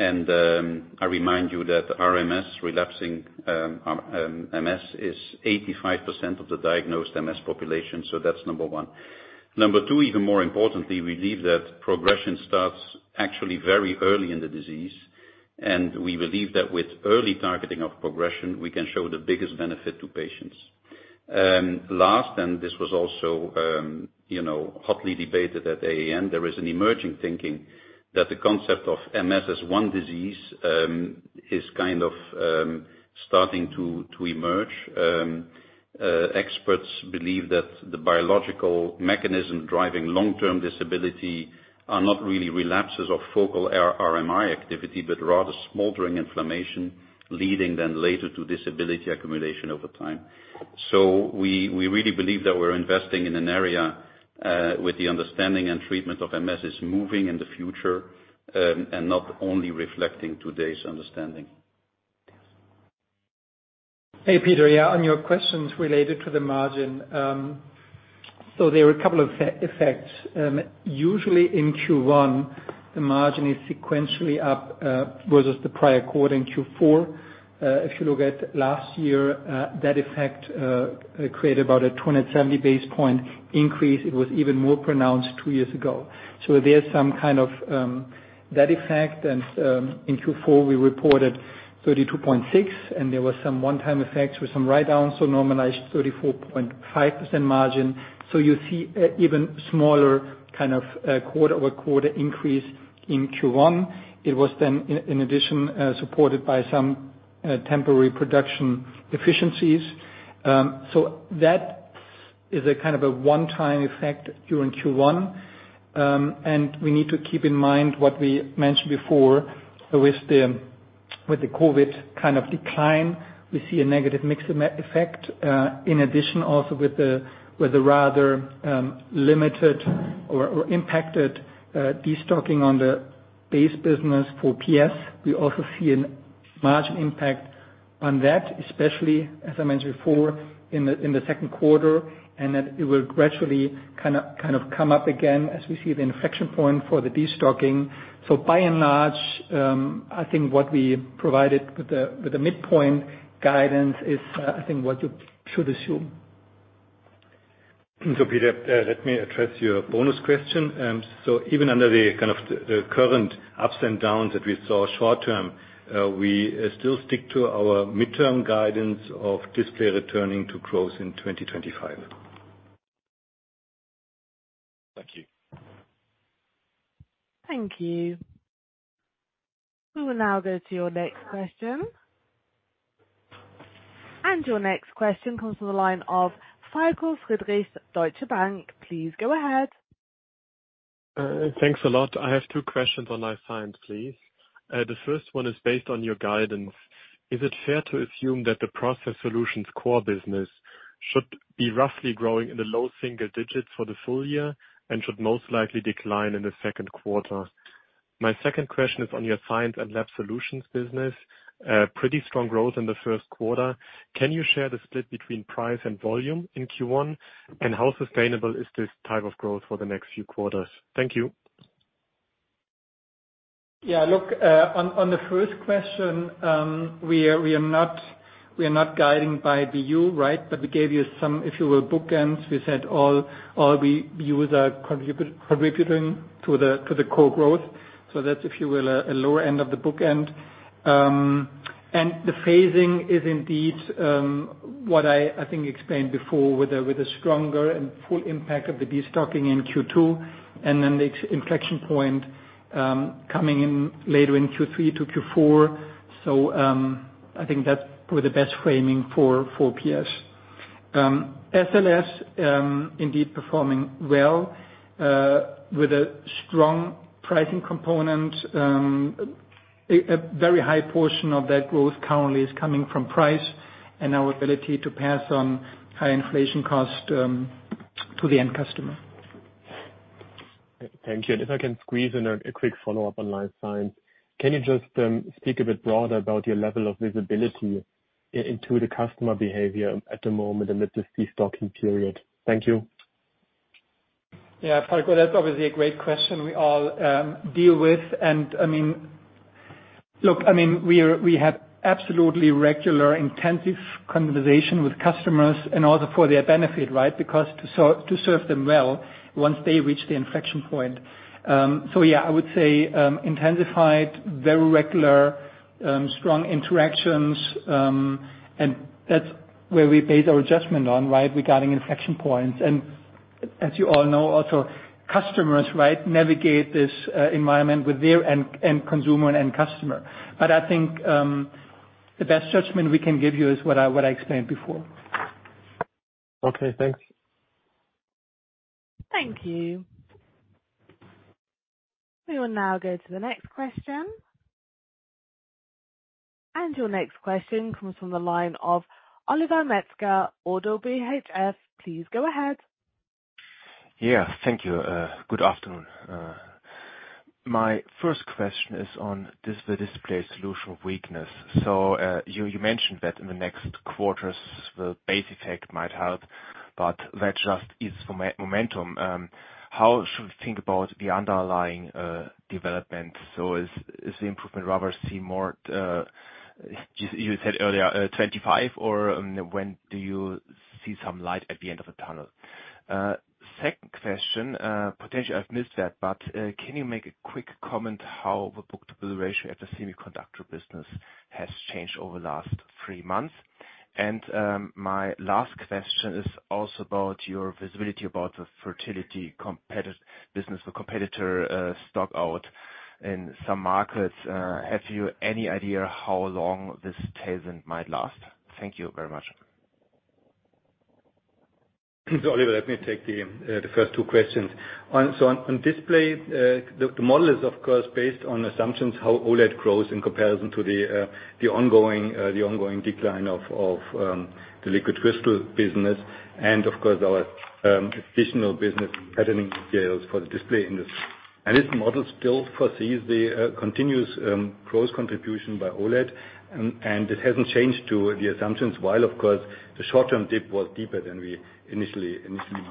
I remind you that RMS relapsing MS is 85% of the diagnosed MS population, so that's number one. Number two, even more importantly, we believe that progression starts actually very early in the disease, and we believe that with early targeting of progression, we can show the biggest benefit to patients. Last, and this was also, you know, hotly debated at AAN, there is an emerging thinking that the concept of MS as one disease is kind of starting to emerge. Experts believe that the biological mechanism driving long-term disability are not really relapses of focal R-RMI activity, but rather smoldering inflammation, leading then later to disability accumulation over time. We, we really believe that we're investing in an area with the understanding and treatment of MS is moving in the future, and not only reflecting today's understanding. Hey, Peter. Yeah, on your questions related to the margin. There are a couple of effects. Usually in Q1, the margin is sequentially up versus the prior quarter in Q4. If you look at last year, that effect created about a 270 basis point increase. It was even more pronounced two years ago. There's some kind of that effect. In Q4, we reported 32.6%, and there was some one-time effects with some write-downs, so normalized 34.5% margin. You see even smaller kind of quarter-over-quarter increase in Q1. It was then in addition supported by some temporary production efficiencies. That is a kind of a one-time effect during Q1. We need to keep in mind what we mentioned before with the, with the COVID kind of decline, we see a negative mix effect. In addition, also with the, with the rather limited or impacted destocking on the base business for PS. We also see a margin impact on that, especially as I mentioned before, in the, in the second quarter, and that it will gradually kind of come up again as we see the inflection point for the destocking. By and large, I think what we provided with the, with the midpoint guidance is I think what you should assume. Peter, let me address your bonus question. Even under the kind of the current ups and downs that we saw short term, we still stick to our midterm guidance of Display returning to growth in 2025. Thank you. Thank you. We will now go to your next question. Your next question comes from the line of Falko Friedrichs, Deutsche Bank. Please go ahead. Thanks a lot. I have two questions on Life Science, please. The first one is based on your guidance. Is it fair to assume that the Process Solutions core business should be roughly growing in the low single digits for the full year and should most likely decline in the second quarter? My second question is on your Science & Lab Solutions business. Pretty strong growth in the first quarter. Can you share the split between price and volume in Q1? How sustainable is this type of growth for the next few quarters? Thank you. Look, on the first question, we are not guiding by BU, right? We gave you some, if you will, bookends. We said all the views are contributing to the core growth. That's, if you will, a lower end of the bookend. The phasing is indeed what I think explained before with a stronger and full impact of the destocking in Q2, and then the inflection point coming in later in Q3 to Q4. I think that's probably the best framing for PS. SLS indeed performing well with a strong pricing component. A very high portion of that growth currently is coming from price and our ability to pass on high inflation cost, to the end customer. Thank you. If I can squeeze in a quick follow-up on Life Science. Can you just speak a bit broader about your level of visibility into the customer behavior at the moment amid this de-stocking period? Thank you. Yeah, Falko, that's obviously a great question we all deal with. I mean... Look, I mean, we have absolutely regular intensive conversation with customers in order for their benefit, right? Because to serve them well once they reach the inflection point. Yeah, I would say, intensified very regular, strong interactions, and that's where we base our judgment on, right, regarding inflection points. As you all know, also customers, right, navigate this environment with their end consumer and end customer. I think the best judgment we can give you is what I explained before. Okay, thanks. Thank you. We will now go to the next question. Your next question comes from the line of Oliver Metzger, ODDO BHF. Please go ahead. Yeah. Thank you. Good afternoon. My first question is on the Display Solutions weakness. You mentioned that in the next quarters, the base effect might help, but that just is momentum. How should we think about the underlying development? Is the improvement rather seem more, you said earlier, 25 or when do you see some light at the end of the tunnel? Second question, potentially I've missed that, but, can you make a quick comment how the book-to-bill ratio at the semiconductor business has changed over the last three months? My last question is also about your visibility about the fertility business. The competitor, stock out in some markets. Have you any idea how long this tangent might last? Thank you very much. Oliver, let me take the first two questions. On display, the model is of course, based on assumptions how OLED grows in comparison to the ongoing decline of the liquid crystal business and of course our additional business patterning materials for the display industry. This model still foresees the continuous growth contribution by OLED and it hasn't changed to the assumptions, while of course the short-term dip was deeper than we initially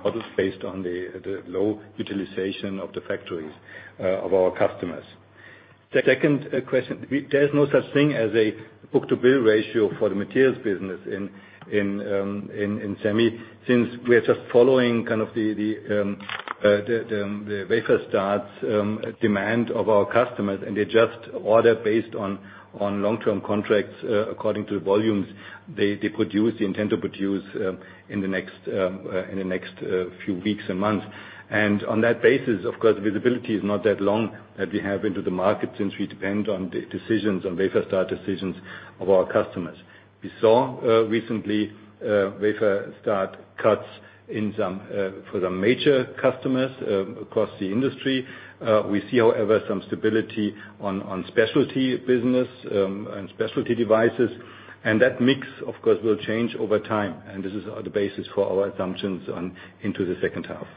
modeled based on the low utilization of the factories of our customers. Second question. There's no such thing as a book-to-bill ratio for the materials business in semi, since we are just following kind of the wafer starts demand of our customers, and they just order based on long-term contracts, according to the volumes they produce, they intend to produce in the next few weeks and months. On that basis, of course, visibility is not that long that we have into the market since we depend on the decisions, on wafer start decisions of our customers. We saw recently wafer start cuts in some for some major customers across the industry. We see, however, some stability on specialty business and specialty devices. That mix, of course, will change over time. This is the basis for our assumptions on into the second half.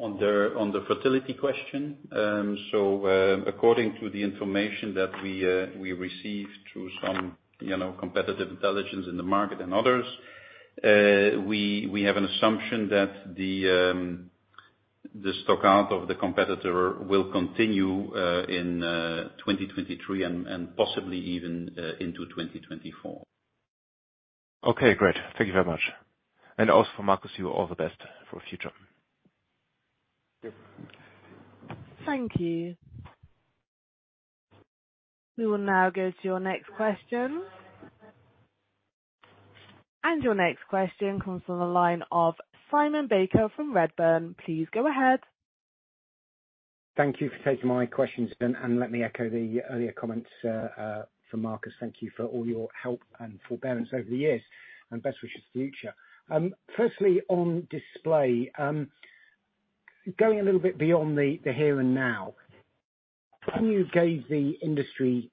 On the fertility question. According to the information that we received through some, you know, competitive intelligence in the market and others, we have an assumption that the stock out of the competitor will continue in 2023 and possibly even into 2024. Okay, great. Thank you very much. Also for Marcus, you all the best for the future. Yes. Thank you. We will now go to your next question. Your next question comes from the line of Simon Baker from Redburn. Please go ahead. Thank you for taking my questions. Let me echo the earlier comments from Marcus. Thank you for all your help and forbearance over the years and best wishes for the future. Firstly on display, going a little bit beyond the here and now. When you gave the industry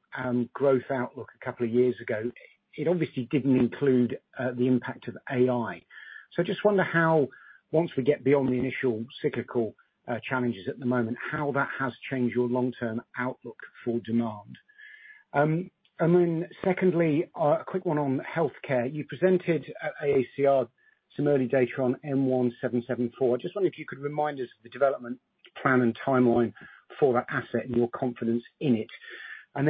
growth outlook a couple of years ago, it obviously didn't include the impact of AI. I just wonder how once we get beyond the initial cyclical challenges at the moment, how that has changed your long-term outlook for demand. Secondly, a quick one on Healthcare. You presented at AACR some early data on M1774. I just wondered if you could remind us of the development plan and timeline for that asset and your confidence in it.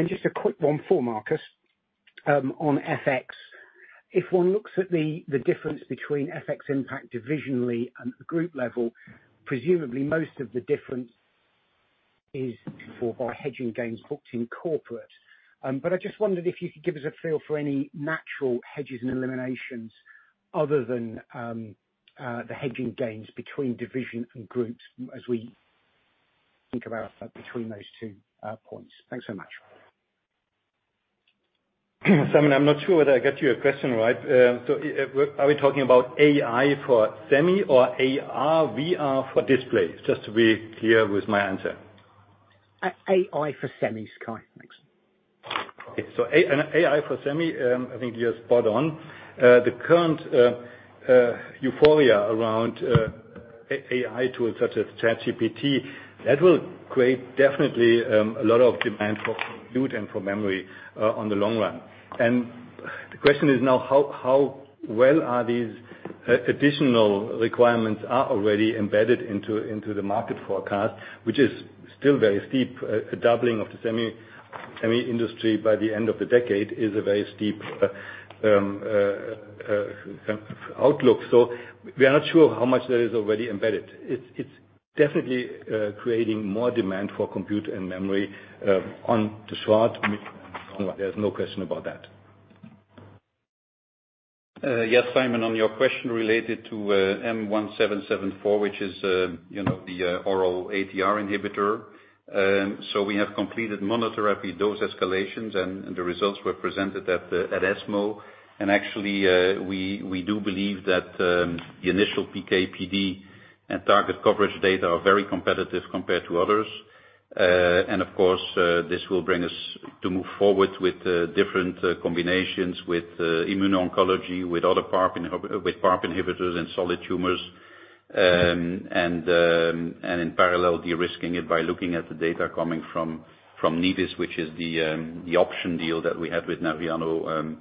Just a quick one for Marcus on FX. If one looks at the difference between FX impact divisionally and at the group level, presumably most of the difference is for our hedging gains booked in corporate. I just wondered if you could give us a feel for any natural hedges and eliminations other than the hedging gains between division and groups as we think about those two points. Thanks so much. Simon, I'm not sure whether I get your question right. Are we talking about AI for semi or AR/VR for display? Just to be clear with my answer. AI for semis, Kai. Thanks. Okay. AI for semi, I think you're spot on. The current euphoria around AI tools such as ChatGPT, that will create definitely a lot of demand for compute and for memory on the long run. The question is now how well are these additional requirements are already embedded into the market forecast, which is still very steep. A doubling of the semi industry by the end of the decade is a very steep outlook. We are not sure how much that is already embedded. It's definitely creating more demand for compute and memory on the short there's no question about that. Yes, Simon, on your question related to M1774, which is, you know, the oral ATR inhibitor. We have completed monotherapy dose escalations, and the results were presented at ESMO. Actually, we do believe that the initial PK/PD and target coverage data are very competitive compared to others. Of course, this will bring us to move forward with the different combinations with immuno-oncology, with PARP inhibitors in solid tumors. In parallel, de-risking it by looking at the data coming from Nivedis, which is the option deal that we have with Nerviano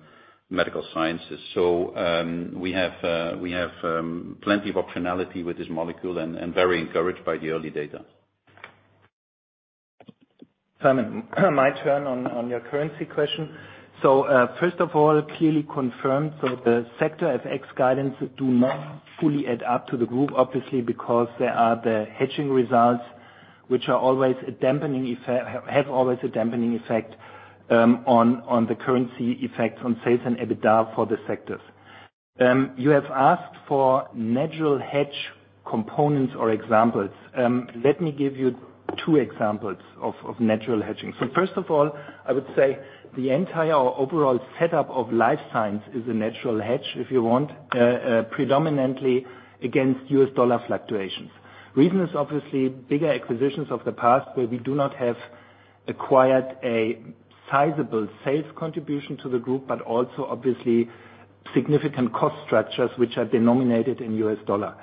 Medical Sciences. We have plenty of optionality with this molecule and very encouraged by the early data. Simon, my turn on your currency question. First of all, clearly confirmed, the sector FX guidance do not fully add up to the group, obviously, because there are the hedging results, which have always a dampening effect on the currency effects on sales and EBITDA for the sectors. You have asked for natural hedge components or examples. Let me give you two examples of natural hedging. First of all, I would say the entire overall setup of Life Science is a natural hedge, if you want, predominantly against US dollar fluctuations. Reason is obviously bigger acquisitions of the past, where we do not have acquired a sizable sales contribution to the group, but also obviously significant cost structures which are denominated in US dollar.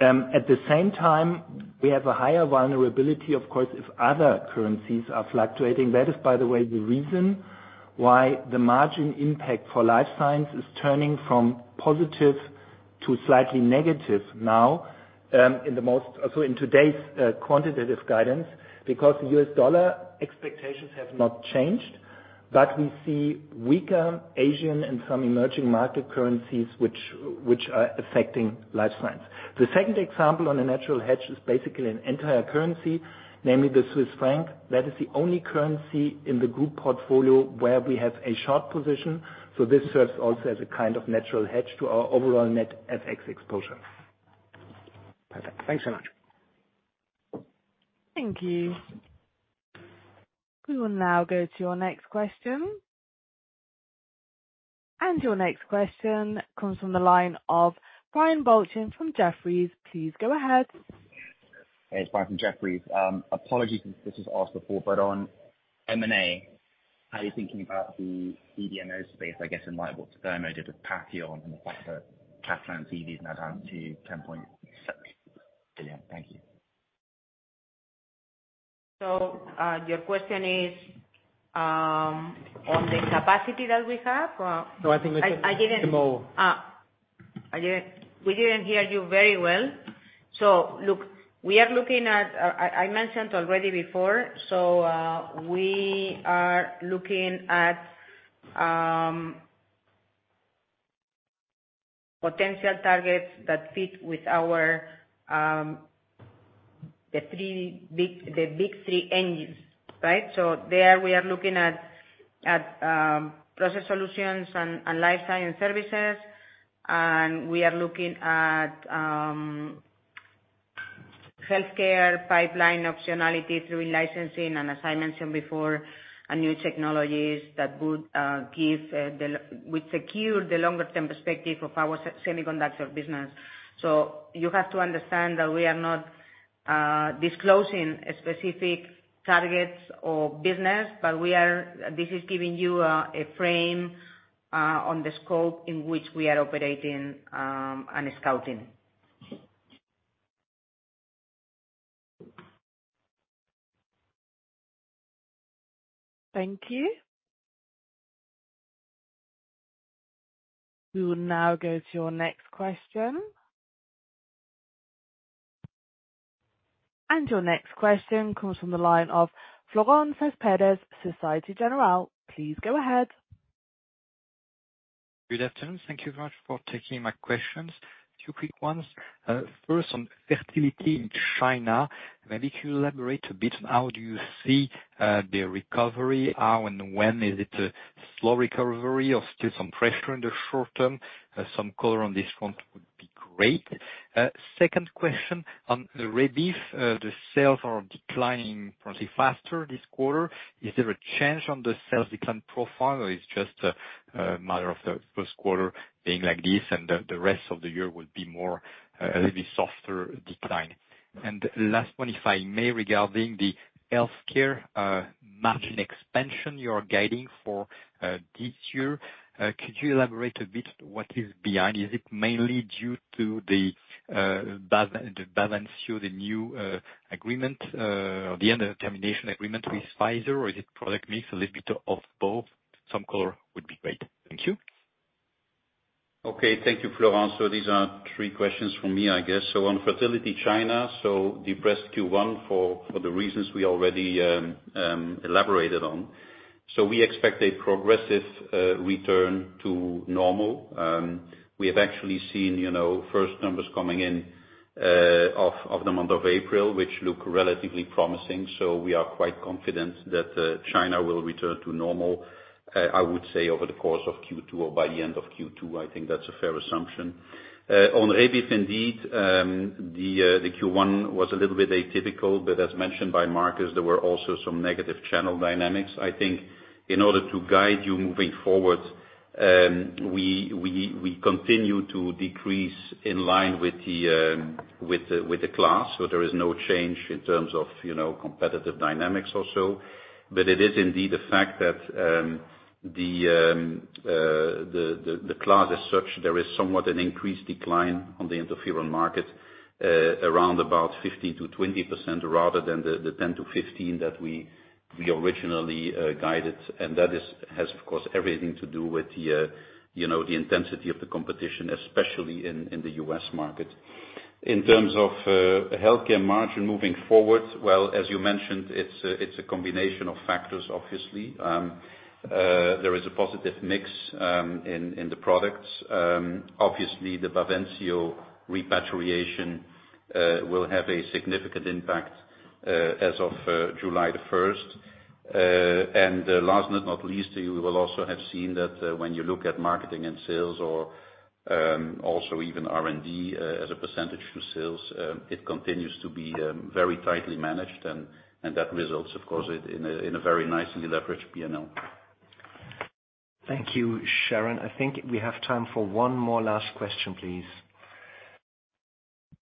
At the same time, we have a higher vulnerability, of course, if other currencies are fluctuating. That is, by the way, the reason why the margin impact for Life Science is turning from positive to slightly negative now in today's quantitative guidance, because the US dollar expectations have not changed, but we see weaker Asian and some emerging market currencies which are affecting Life Science. The second example on a natural hedge is basically an entire currency, namely the Swiss franc. That is the only currency in the group portfolio where we have a short position. This serves also as a kind of natural hedge to our overall net FX exposure. Perfect. Thanks so much. Thank you. We will now go to your next question. Your next question comes from the line of Peter Welford from Jefferies. Please go ahead. It's Peter Welford from Jefferies. Apologies if this was asked before, on M&A, are you thinking about the CDMO space, I guess, in light of what Thermo did with Patheon and the fact that Catalent CDMO's now down to $10.6 billion. Thank you. Your question is on the capacity that we have? No, I think it's- We didn't hear you very well. Look, I mentioned already before, we are looking at potential targets that fit with our the big three engines, right? There we are looking at Process Solutions and Life Science Services, and we are looking at healthcare pipeline optionality through licensing, and as I mentioned before, new technologies that would give would secure the longer term perspective of our semiconductor business. You have to understand that we are not disclosing specific targets or business, this is giving you a frame on the scope in which we are operating and scouting. Thank you. We will now go to your next question. Your next question comes from the line of Florent Cespedes, Société Générale. Please go ahead. Good afternoon. Thank you very much for taking my questions. Two quick ones. First on fertility in China. Maybe can you elaborate a bit on how do you see the recovery? How and when? Is it a slow recovery or still some pressure in the short term? Some color on this front would be great. Great. Second question on the Rebif, the sales are declining probably faster this quarter. Is there a change on the sales decline profile, or it's just a matter of the first quarter being like this and the rest of the year will be more a softer decline? Last one, if I may, regarding the Healthcare margin expansion you're guiding for this year. Could you elaborate a bit what is behind? Is it mainly due to the Bavencio, the new agreement, the end of termination agreement with Pfizer? Or is it product mix? A little bit of both? Some color would be great. Thank you. Thank you, Florent. These are three questions from me, I guess. On fertility China, depressed Q1 for the reasons we already elaborated on. We expect a progressive return to normal. We have actually seen, you know, first numbers coming in, of the month of April, which look relatively promising. We are quite confident that China will return to normal, I would say over the course of Q2 or by the end of Q2. I think that's a fair assumption. On Rebif indeed, the Q1 was a little bit atypical, but as mentioned by Marcus, there were also some negative channel dynamics. In order to guide you moving forward, we continue to decrease in line with the class. There is no change in terms of, you know, competitive dynamics or so. It is indeed the fact that the class as such, there is somewhat an increased decline on the interferon market, around about 50%-20% rather than the 10%-15% that we originally guided. That is, has of course everything to do with, you know, the intensity of the competition, especially in the US market. In terms of healthcare margin moving forward, well, as you mentioned, it's a combination of factors, obviously. There is a positive mix in the products. Obviously the Bavencio repatriation will have a significant impact as of July the 1st. Last but not least, you will also have seen that, when you look at marketing and sales or, also even R&D, as a % to sales, it continues to be very tightly managed. That results of course, in a very nicely leveraged P&L. Thank you. Sharon, I think we have time for one more last question, please.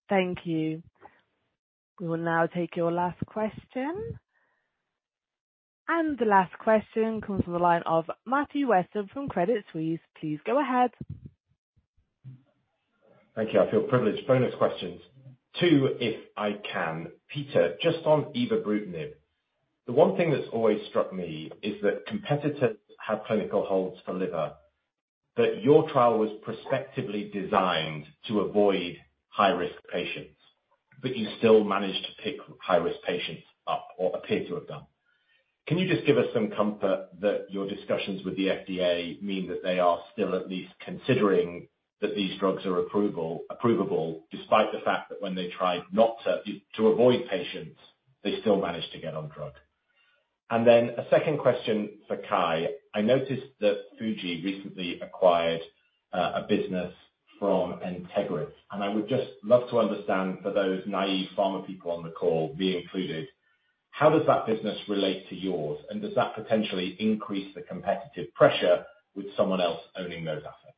Thank you. We will now take your last question. The last question comes from the line of Matthew Harrison from Credit Suisse. Please go ahead. Thank you. I feel privileged. Bonus questions. Two, if I can. Peter, just on evobrutinib, the one thing that's always struck me is that competitors have clinical holds for liver, but your trial was prospectively designed to avoid high-risk patients, but you still managed to pick high-risk patients up or appear to have done. Can you just give us some comfort that your discussions with the FDA mean that they are still at least considering that these drugs are approvable despite the fact that when they tried not to avoid patients, they still managed to get on drug? A second question for Kai. I noticed that Fujifilm recently acquired a business from Entegris, and I would just love to understand for those naive pharma people on the call, me included, how does that business relate to yours? Does that potentially increase the competitive pressure with someone else owning those assets?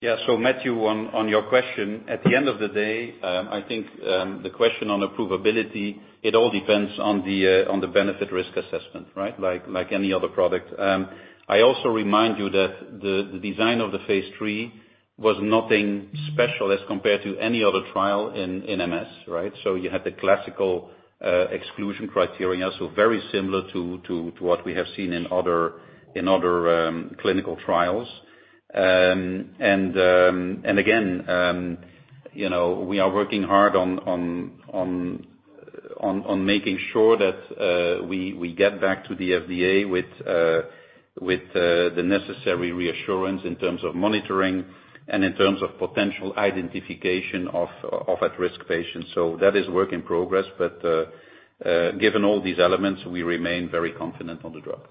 Yeah. Matthew, on your question, at the end of the day, I think the question on approvability, it all depends on the benefit risk assessment, right? Like any other product. I also remind you that the design of the phase III was nothing special as compared to any other trial in MS, right? You had the classical exclusion criteria, so very similar to what we have seen in other clinical trials. Again, you know, we are working hard on making sure that we get back to the FDA with the necessary reassurance in terms of monitoring and in terms of potential identification of at risk patients. That is work in progress. Given all these elements, we remain very confident on the drug.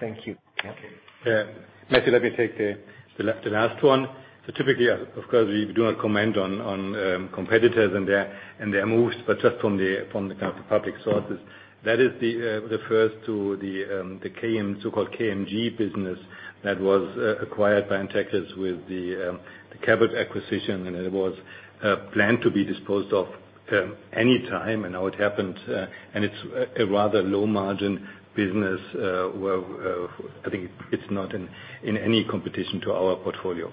Thank you. Yeah. Matthew, let me take the last one. Typically of course, we do not comment on competitors and their, and their moves, but just from the, from the kind of public sources, that is refers to the so-called KMG business that was acquired by Entegris with the Cabot acquisition, and it was planned to be disposed of any time and now it happened, and it's a rather low margin business, where I think it's not in any competition to our portfolio.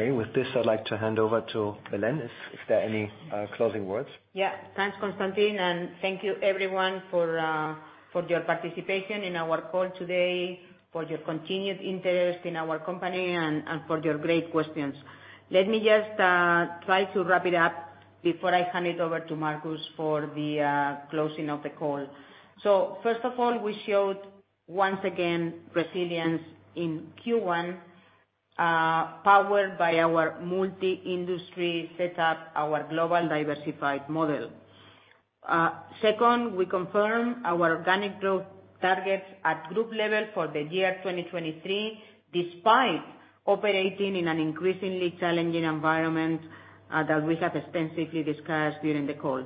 Okay. With this, I'd like to hand over to Belén. Is there any closing words? Thanks, Constantin, and thank you everyone for your participation in our call today, for your continued interest in our company and for your great questions. Let me just try to wrap it up before I hand it over to Marcus for the closing of the call. First of all, we showed once again resilience in Q1. Powered by our multi-industry setup, our global diversified model. Second, we confirm our organic growth targets at group level for the year 2023, despite operating in an increasingly challenging environment that we have extensively discussed during the call.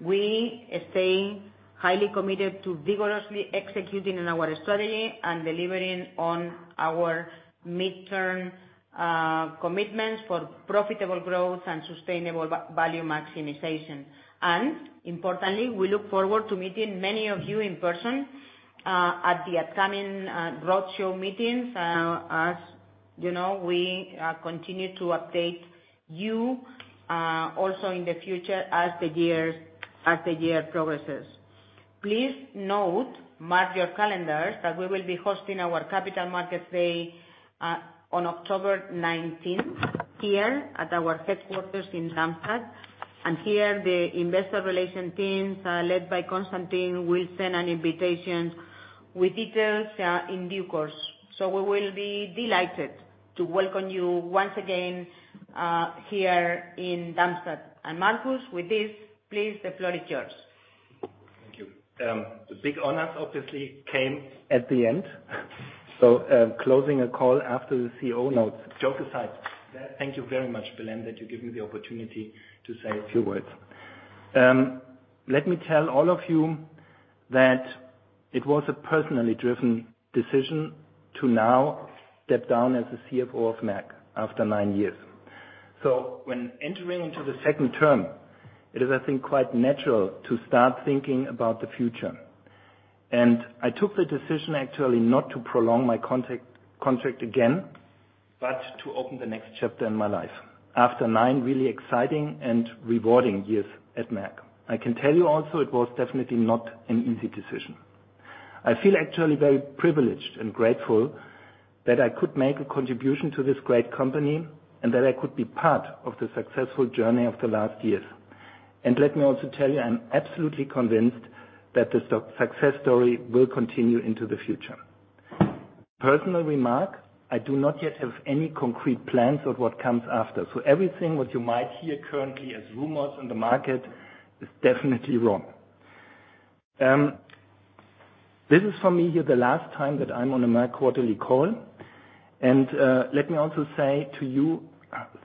We stay highly committed to vigorously executing in our strategy and delivering on our midterm commitments for profitable growth and sustainable value maximization. Importantly, we look forward to meeting many of you in person at the upcoming roadshow meetings. As you know, we continue to update you also in the future as the year progresses. Please note, mark your calendars, that we will be hosting our capital market day on October 19th here at our headquarters in Darmstadt. Here, the Investor Relations teams led by Constantin, will send an invitation with details in due course. We will be delighted to welcome you once again here in Darmstadt. Marcus, with this, please, the floor is yours. Thank you. The big honors obviously came at the end. closing a call after the CEO notes. Joke aside, thank you very much, Belén, that you give me the opportunity to say a few words. let me tell all of you that it was a personally driven decision to now step down as the CFO of Merck after nine years. when entering into the second term, it is, I think, quite natural to start thinking about the future. I took the decision actually not to prolong my contract again, but to open the next chapter in my life after nine really exciting and rewarding years at Merck. I can tell you also it was definitely not an easy decision. I feel actually very privileged and grateful that I could make a contribution to this great company, and that I could be part of the successful journey of the last years. Let me also tell you, I'm absolutely convinced that the success story will continue into the future. Personal remark, I do not yet have any concrete plans of what comes after. Everything what you might hear currently as rumors in the market is definitely wrong. This is for me here the last time that I'm on a Merck quarterly call. Let me also say to you,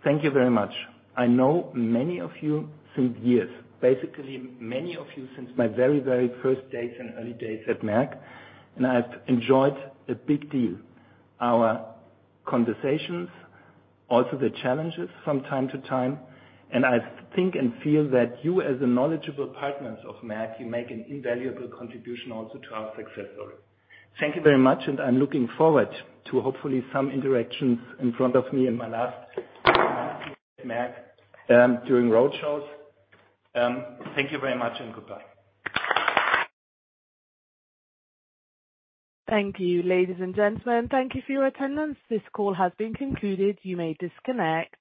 thank you very much. I know many of you since years, basically many of you since my very, very first days and early days at Merck. I've enjoyed a big deal our conversations, also the challenges from time to time. I think and feel that you, as the knowledgeable partners of Merck, you make an invaluable contribution also to our success story. Thank you very much. I'm looking forward to hopefully some interactions in front of me in my last week at Merck, during roadshows. Thank you very much. Goodbye. Thank you. Ladies and gentlemen, thank you for your attendance. This call has been concluded. You may disconnect.